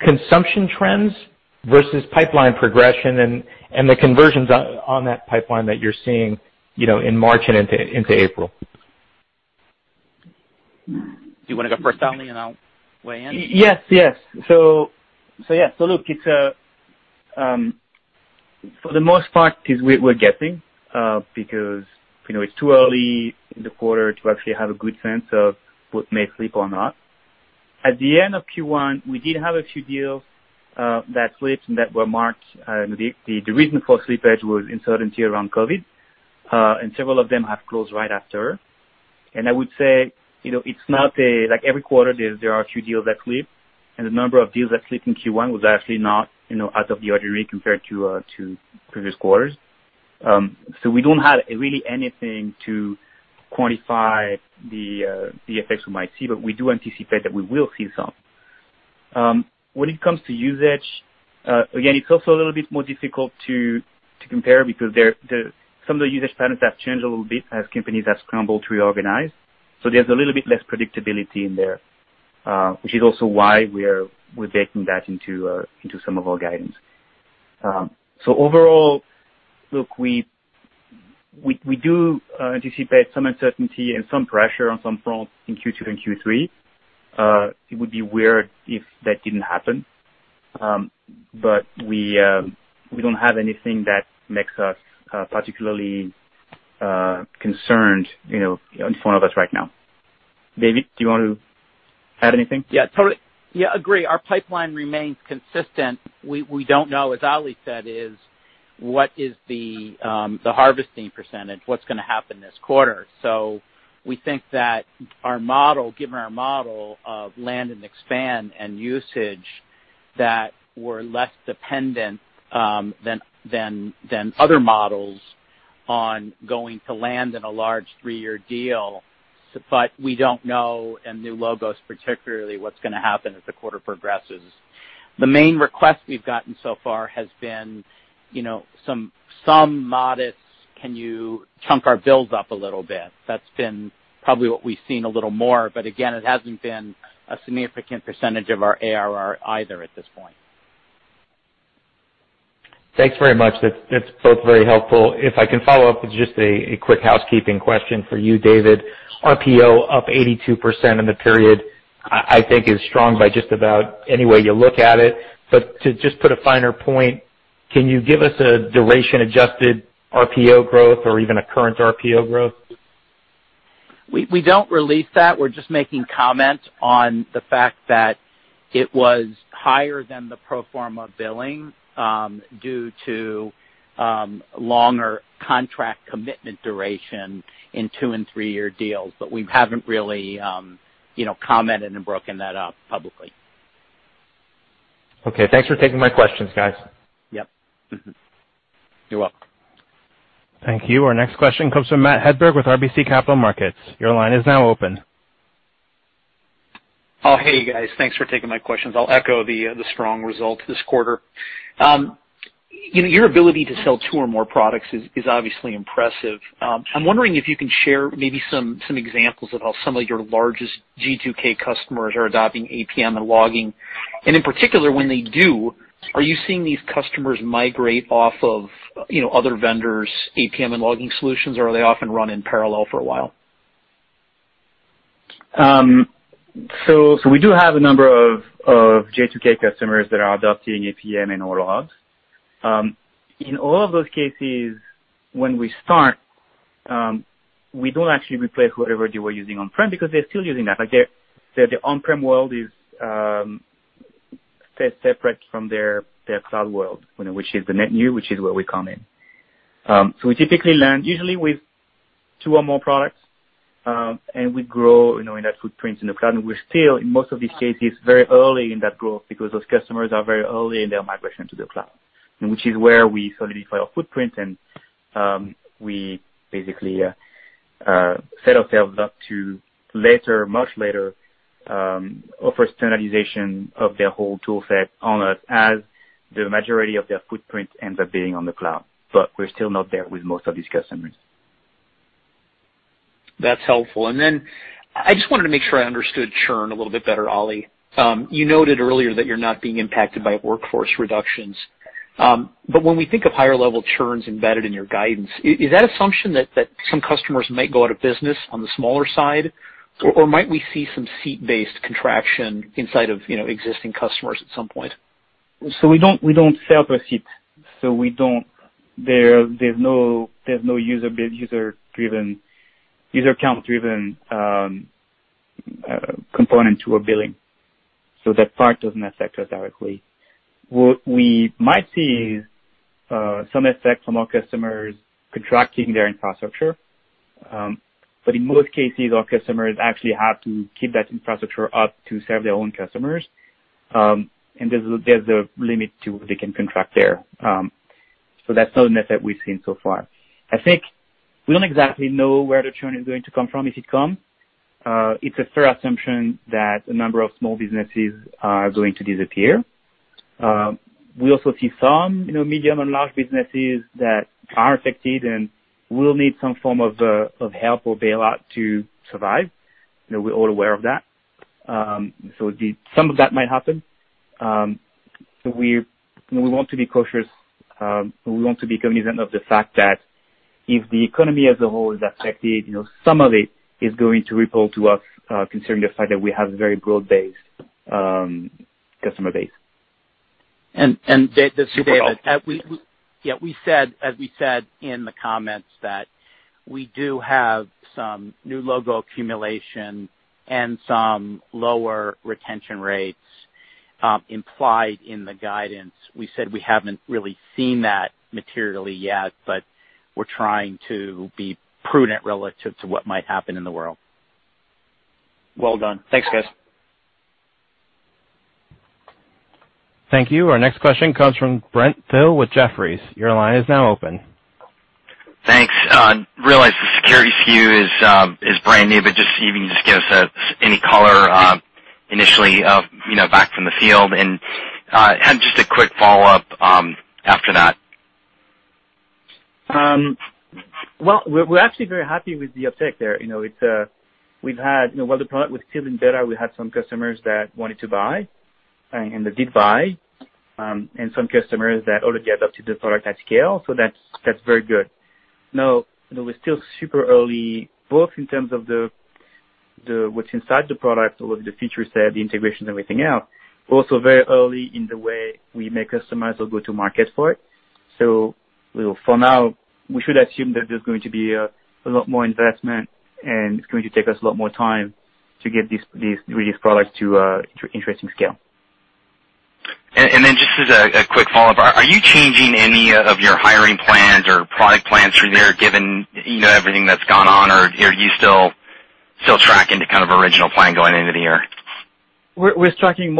consumption trends versus pipeline progression and the conversions on that pipeline that you're seeing, you know, in March and into April? Do you wanna go first, Olivier, and I'll weigh in? Yes, yes. Yeah. Look, it's for the most part, we're guessing, because, you know, it's too early in the quarter to actually have a good sense of what may slip or not. At the end of Q1, we did have a few deals that slipped and that were marked. The reason for slippage was uncertainty around COVID, and several of them have closed right after. I would say, you know, it's not like every quarter, there are a few deals that slip, and the number of deals that slipped in Q1 was actually not, you know, out of the ordinary compared to previous quarters. We don't have really anything to quantify the effects we might see, but we do anticipate that we will see some. When it comes to usage, again, it's also a little bit more difficult to compare because there, some of the usage patterns have changed a little bit as companies have scrambled to reorganize. There's a little bit less predictability in there, which is also why we're baking that into some of our guidance. Overall, look, we do anticipate some uncertainty and some pressure on some fronts in Q2 and Q3. It would be weird if that didn't happen. We don't have anything that makes us particularly concerned, you know, in front of us right now. David, do you want to add anything? Yeah, totally. Yeah, agree. Our pipeline remains consistent. We don't know, as Oli said, is what is the harvesting percentage, what's gonna happen this quarter. We think that our model, given our model of land and expand and usage, that we're less dependent than other models on going to land in a large three-year deal. We don't know, and new logos particularly, what's gonna happen as the quarter progresses. The main request we've gotten so far has been, you know, some modest, "Can you chunk our bills up a little bit?" That's been probably what we've seen a little more, but again, it hasn't been a significant percentage of our ARR either at this point. Thanks very much. That's both very helpful. If I can follow up with just a quick housekeeping question for you, David. RPO up 82% in the period, I think is strong by just about any way you look at it. To just put a finer point, can you give us a duration-adjusted RPO growth or even a current RPO growth? We don't release that. We're just making comment on the fact that it was higher than the pro forma billing due to longer contract commitment duration in two and three-year deals, but we haven't really, you know, commented and broken that up publicly. Okay. Thanks for taking my questions, guys. Yep. Mm-hmm. You're welcome. Thank you. Our next question comes from Matt Hedberg with RBC Capital Markets. Your line is now open. Hey guys. Thanks for taking my questions. I'll echo the strong results this quarter. You know, your ability to sell two or more products is obviously impressive. I'm wondering if you can share maybe some examples of how some of your largest G2K customers are adopting APM and logging. In particular, when they do, are you seeing these customers migrate off of, you know, other vendors' APM and logging solutions, or are they often run in parallel for a while? We do have a number of G2K customers that are adopting APM and/or logs. In all of those cases, when we start, we don't actually replace whatever they were using on-prem because they're still using that. Like, their on-prem world is separate from their cloud world, you know, which is the net new, which is where we come in. We typically land usually with two or more products, and we grow, you know, in that footprint in the cloud. We're still, in most of these cases, very early in that growth because those customers are very early in their migration to the cloud, and which is where we solidify our footprint and, we basically set ourselves up to later, much later, offer standardization of their whole tool set on it as the majority of their footprint ends up being on the cloud. We're still not there with most of these customers. That's helpful. I just wanted to make sure I understood churn a little bit better, Oli. You noted earlier that you're not being impacted by workforce reductions. When we think of higher level churns embedded in your guidance, is that assumption that some customers might go out of business on the smaller side? Or might we see some seat-based contraction inside of, you know, existing customers at some point? We don't sell per seat. We don't There's no user-driven, user-count-driven component to our billing. That part doesn't affect us directly. What we might see is some effect from our customers contracting their infrastructure. In most cases, our customers actually have to keep that infrastructure up to serve their own customers. There's a limit to what they can contract there. That's not an effect we've seen so far. I think we don't exactly know where the churn is going to come from if it come. It's a fair assumption that a number of small businesses are going to disappear. We also see some, you know, medium and large businesses that are affected and will need some form of help or bailout to survive. You know, we're all aware of that. Some of that might happen. We want to be cautious, and we want to be cognizant of the fact that if the economy as a whole is affected, you know, some of it is going to ripple to us, considering the fact that we have a very broad base customer base. This is David. We said, as we said in the comments, that we do have some new logo accumulation and some lower retention rates, implied in the guidance. We said we haven't really seen that materially yet, but we're trying to be prudent relative to what might happen in the world. Well done. Thanks, guys. Thank you. Our next question comes from Brent Thill with Jefferies. Your line is now open. Thanks. Realize the security SKU is brand new, but just see if you can just give us any color initially, you know, back from the field. Had just a quick follow-up after that. Well, we're actually very happy with the uptake there. You know, it's We've had, you know, while the product was still in beta, we had some customers that wanted to buy, and that did buy, and some customers that already adopted the product at scale. That's very good. Now, you know, we're still super early, both in terms of the what's inside the product or the feature set, the integration, everything else. Also, very early in the way we make customers or go to market for it. For now, we should assume that there's going to be a lot more investment, and it's going to take us a lot more time to get these products to interesting scale. Just as a quick follow-up. Are you changing any of your hiring plans or product plans from there, given, you know, everything that's gone on or are you still tracking to kind of original plan going into the year? We're tracking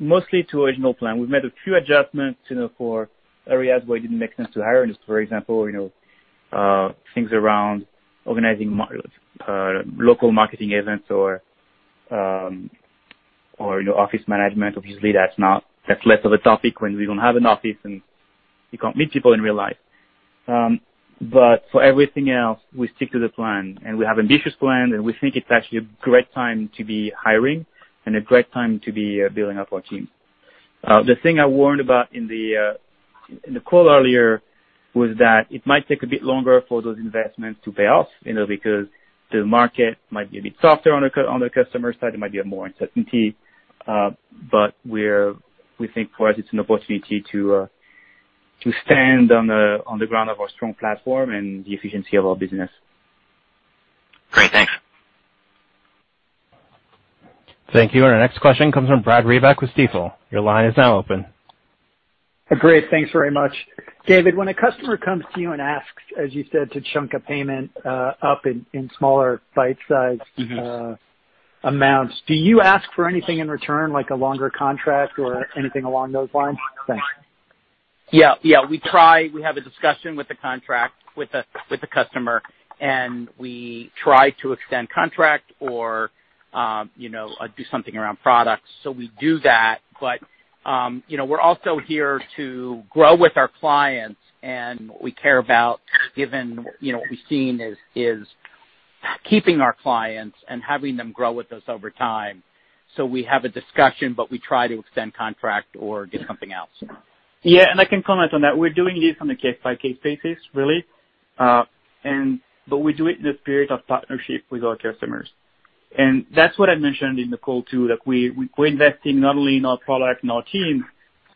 mostly to original plan. We've made a few adjustments, you know, for areas where it didn't make sense to hire. Just for example, you know, things around organizing local marketing events or, you know, office management. Obviously, that's less of a topic when we don't have an office and we can't meet people in real life. For everything else, we stick to the plan. We have ambitious plans, and we think it's actually a great time to be hiring and a great time to be building up our team. The thing I warned about in the call earlier was that it might take a bit longer for those investments to pay off, you know, because the market might be a bit softer on the customer side. There might be more uncertainty. We think for us it's an opportunity to stand on the ground of our strong platform and the efficiency of our business. Great. Thanks. Thank you. Our next question comes from Brad Reback with Stifel. Your line is now open. Great. Thanks very much. David, when a customer comes to you and asks, as you said, to chunk a payment up in smaller bite-sized amounts, do you ask for anything in return, like a longer contract or anything along those lines? Thanks. Yeah, yeah. We have a discussion with the contract, with the customer, we try to extend contract or, you know, do something around products. We do that. You know, we're also here to grow with our clients and what we care about given, you know, what we've seen is keeping our clients and having them grow with us over time. We have a discussion, but we try to extend contract or do something else. Yeah, I can comment on that. We're doing this on a case-by-case basis, really. We do it in a spirit of partnership with our customers. That's what I mentioned in the call, too, that we invest in not only in our product and our teams,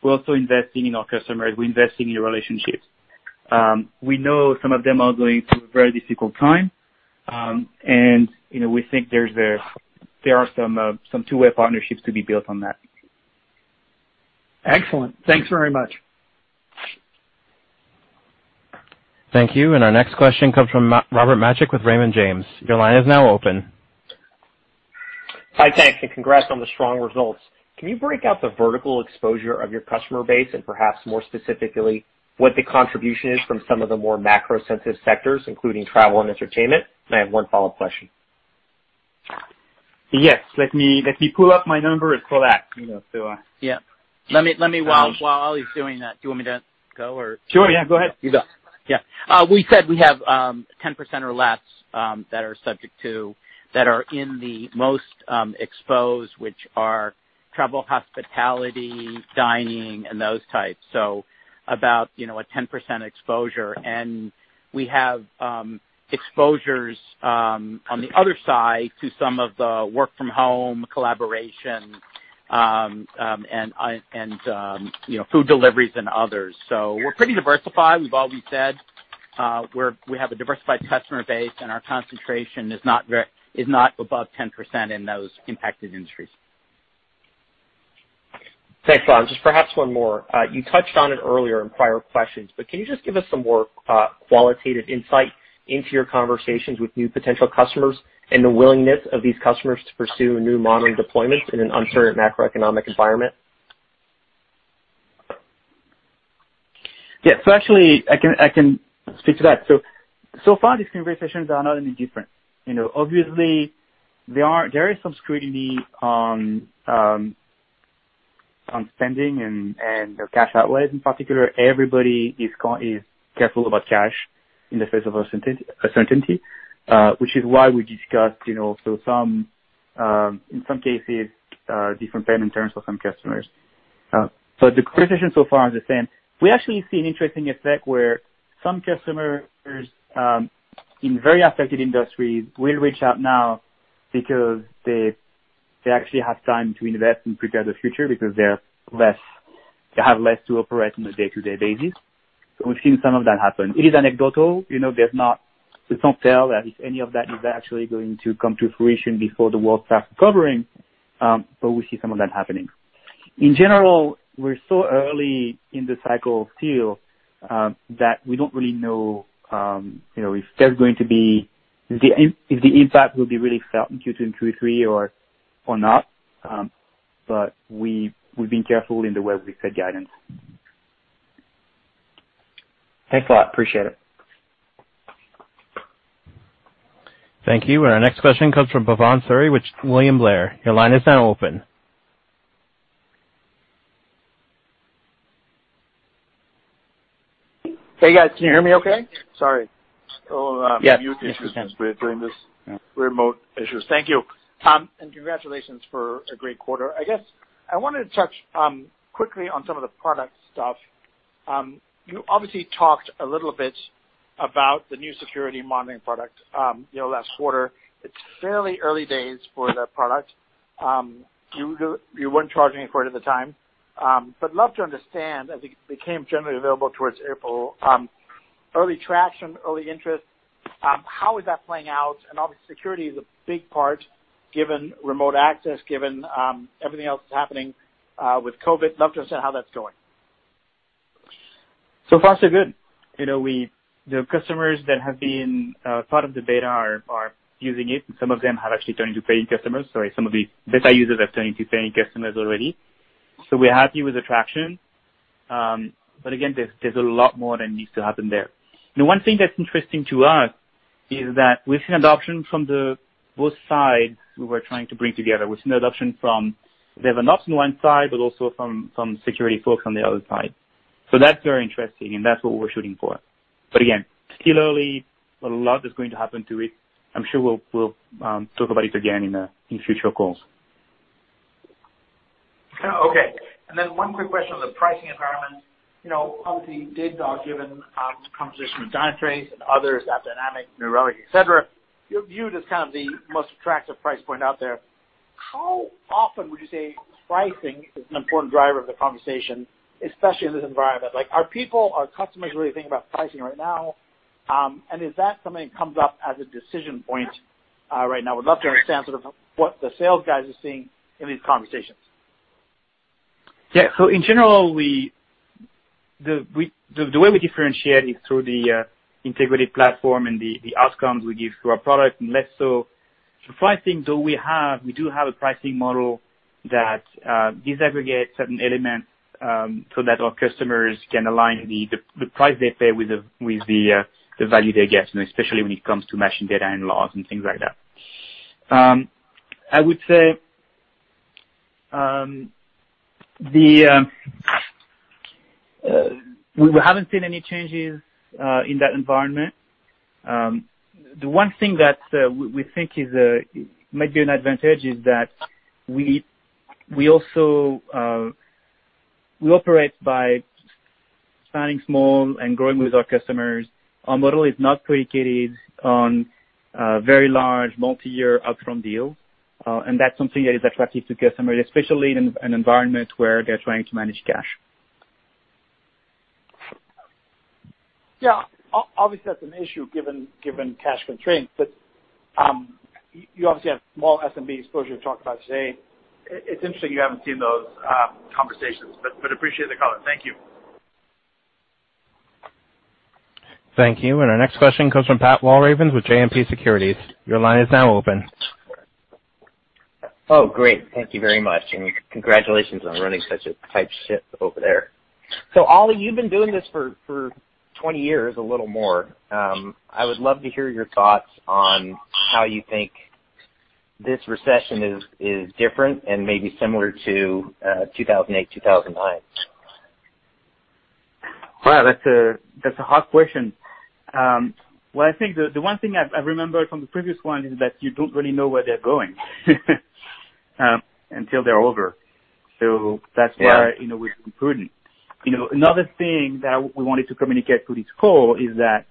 we're also investing in our customers. We invest in your relationships. We know some of them are going through a very difficult time. You know, we think there are some two-way partnerships to be built on that. Excellent. Thanks very much. Thank you. Our next question comes from Robert Majek with Raymond James. Your line is now open. Hi, thanks, and congrats on the strong results. Can you break out the vertical exposure of your customer base and perhaps more specifically, what the contribution is from some of the more macro-sensitive sectors, including travel and entertainment? I have one follow-up question. Yes. Let me pull up my number and pull that, you know. Yeah. Let me while Olivier's doing that. Do you want me to go or? Sure, yeah, go ahead. You go. Yeah. We said we have 10% or less that are in the most exposed, which are travel, hospitality, dining, and those types. About, you know, a 10% exposure. We have exposures on the other side to some of the work from home, collaboration, you know, food deliveries, and others. We're pretty diversified. We've always said we have a diversified customer base, and our concentration is not above 10% in those impacted industries. Thanks a lot. Just perhaps one more. You touched on it earlier in prior questions, but can you just give us some more qualitative insight into your conversations with new potential customers and the willingness of these customers to pursue new modeling deployments in an uncertain macroeconomic environment? Actually, I can speak to that. So far, these conversations are not any different. You know, obviously, there is some scrutiny on spending and cash outlets in particular. Everybody is careful about cash in the face of uncertainty, which is why we discussed, you know, so some in some cases, different payment terms for some customers. The conversation so far is the same. We actually see an interesting effect where some customers in very affected industries will reach out now because they actually have time to invest and prepare the future, because they have less to operate on a day-to-day basis. We've seen some of that happen. It is anecdotal, you know, we can't tell if any of that is actually going to come to fruition before the world starts recovering, but we see some of that happening. In general, we're so early in the cycle still that we don't really know, you know, if the impact will be really felt in Q2 and Q3 or not. We've been careful in the way we set guidance. Thanks a lot. Appreciate it. Thank you. Our next question comes from Bhavan Suri with William Blair. Your line is now open. Hey, guys. Can you hear me okay? Sorry. Little mute issues. Yes. Yes, we can. During this remote issues. Thank you. And congratulations for a great quarter. I guess I wanted to touch quickly on some of the product stuff. You obviously talked a little bit about the new Security Monitoring product, you know, last quarter. It's fairly early days for that product. You weren't charging for it at the time. Love to understand as it became generally available towards April, early traction, early interest, how is that playing out? Obviously, security is a big part given remote access, given everything else that's happening with COVID-19. Love to understand how that's going. Far, so good. You know, the customers that have been part of the beta are using it. Some of them have actually turned into paying customers. Sorry, some of the beta users have turned into paying customers already. We're happy with the traction. Again, there's a lot more that needs to happen there. The one thing that's interesting to us is that we've seen adoption from the both sides we were trying to bring together. We've seen adoption from the DevOps on one side, but also from some security folks on the other side. That's very interesting, and that's what we're shooting for. Again, still early, but a lot is going to happen to it. I'm sure we'll talk about it again in future calls. Okay. One quick question on the pricing environment. You know, obviously, Datadog, given its competition with Dynatrace and others, that dynamic, New Relic, et cetera, you're viewed as kind of the most attractive price point out there. How often would you say pricing is an important driver of the conversation, especially in this environment? Like, are people, are customers really thinking about pricing right now? Is that something that comes up as a decision point right now? I would love to understand sort of what the sales guys are seeing in these conversations. Yeah. In general, the way we differentiate is through the integrated platform and the outcomes we give to our product, and less so pricing, though we do have a pricing model that disaggregates certain elements, so that our customers can align the price they pay with the value they get, you know, especially when it comes to matching data and logs and things like that. I would say, we haven't seen any changes in that environment. The one thing that we think might be an advantage is that we also operate by starting small and growing with our customers. Our model is not predicated on very large multi-year upfront deals. That's something that is attractive to customers, especially in an environment where they're trying to manage cash. Yeah. Obviously, that's an issue given cash constraints. You obviously have more SMB exposure to talk about today. It's interesting you haven't seen those conversations. Appreciate the color. Thank you. Thank you. Our next question comes from Pat Walravens with JMP Securities. Your line is now open. Oh, great. Thank you very much, and congratulations on running such a tight ship over there. Olivier, you've been doing this for 20 years, a little more. I would love to hear your thoughts on how you think this recession is different and maybe similar to 2008, 2009. Wow, that's a hard question. Well, I think the one thing I remember from the previous one is that you don't really know where they're going until they're over. Yeah. You know, we're prudent. You know, another thing that we wanted to communicate through this call is that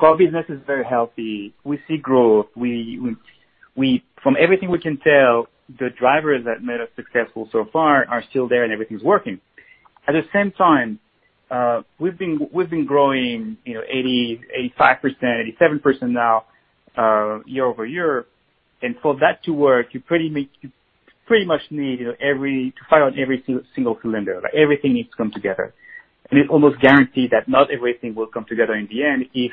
our business is very healthy. We see growth. From everything we can tell, the drivers that made us successful so far are still there, and everything's working. At the same time, we've been growing, you know, 80%, 85%, 87% now year-over-year. For that to work, you pretty much need, you know, every to fire on every single cylinder. Like, everything needs to come together. It's almost guaranteed that not everything will come together in the end if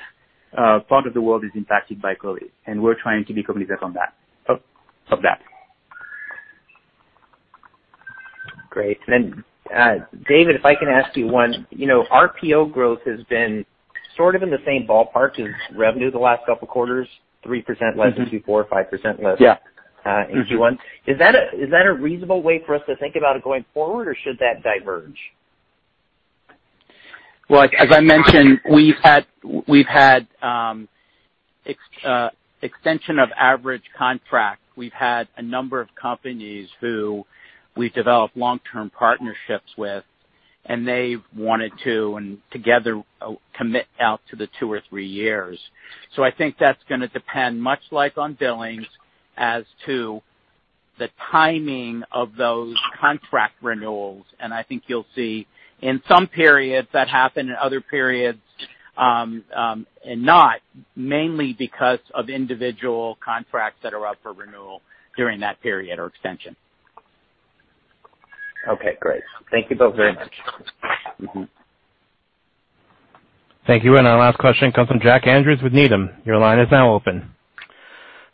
part of the world is impacted by COVID, and we're trying to be cognizant on that, of that. Great. David, if I can ask you one. You know, RPO growth has been sort of in the same ballpark as revenue the last couple of quarters, 3% less than 24, 5%. Yeah. In Q1, is that a reasonable way for us to think about it going forward, or should that diverge? Well, as I mentioned, we've had extension of average contract. We've had a number of companies who we've developed long-term partnerships with, and they've wanted to, and together, commit out to the two or three years. I think that's gonna depend much like on billings as to the timing of those contract renewals. I think you'll see in some periods that happen, in other periods, and not, mainly because of individual contracts that are up for renewal during that period or extension. Okay, great. Thank you both very much. Thank you. Our last question comes from Jack Andrews with Needham. Your line is now open.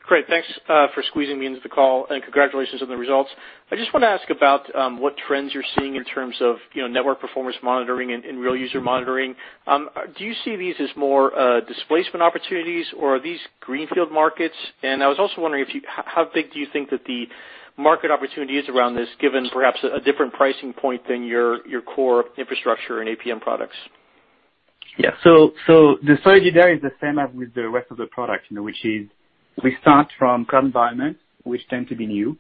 Great. Thanks for squeezing me into the call, and congratulations on the results. I just wanna ask about what trends you're seeing in terms of, you know, Network Performance Monitoring and Real User Monitoring. Do you see these as more displacement opportunities, or are these greenfield markets? I was also wondering if you how big do you think that the market opportunity is around this, given perhaps a different pricing point than your core Infrastructure and APM products? Yeah. So, the strategy there is the same as with the rest of the product, you know, which is we start from cloud environments, which tend to be new.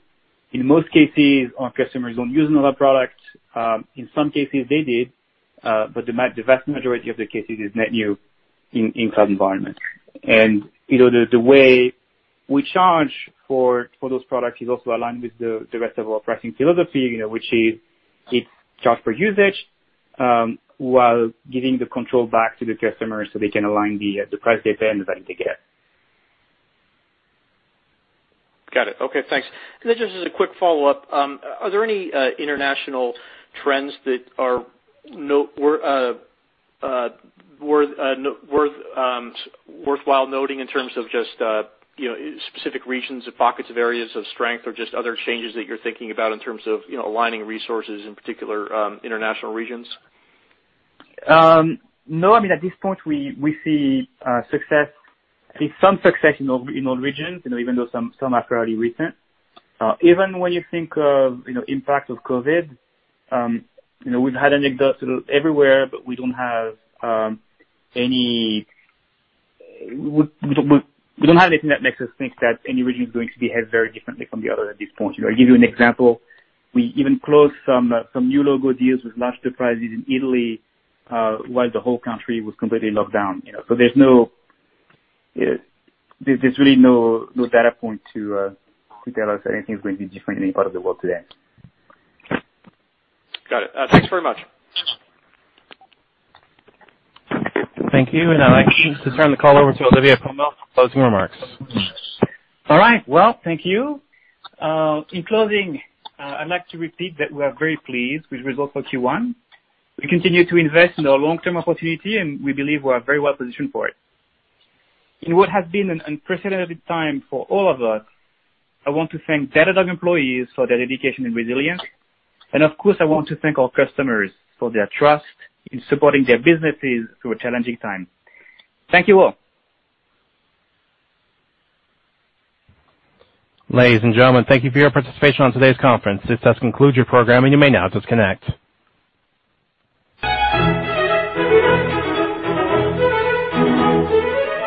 In most cases, our customers don't use another product. In some cases, they did, but the vast majority of the cases is net new in cloud environment. The way we charge for those products is also aligned with the rest of our pricing philosophy, you know, which is it's charged per usage, while giving the control back to the customer so they can align the price they pay and the value they get. Got it. Okay, thanks. Just as a quick follow-up, are there any international trends that are worthwhile noting in terms of just, you know, specific regions or pockets of areas of strength or just other changes that you're thinking about in terms of, you know, aligning resources, in particular, international regions? No. I mean, at this point, we see success. We see some success in all regions, you know, even though some are fairly recent. Even when you think of, you know, the impact of COVID, you know, we've had an impact sort of everywhere, but we don't have anything that makes us think that any region is going to be hit very differently from the other at this point. You know, I'll give you an example. We even closed some new logo deals with large enterprises in Italy, while the whole country was completely locked down, you know. There's no, there's really no data point to tell us that anything is going to be different in any part of the world today. Got it. Thanks very much. Thank you. I'd like to turn the call over to Olivier Pomel for closing remarks. All right. Well, thank you. In closing, I'd like to repeat that we are very pleased with the results for Q1. We continue to invest in our long-term opportunity, and we believe we are very well positioned for it. In what has been an unprecedented time for all of us, I want to thank Datadog employees for their dedication and resilience, and of course, I want to thank our customers for their trust in supporting their businesses through a challenging time. Thank you all. Ladies and gentlemen, thank you for your participation on today's conference. This does conclude your program, and you may now disconnect.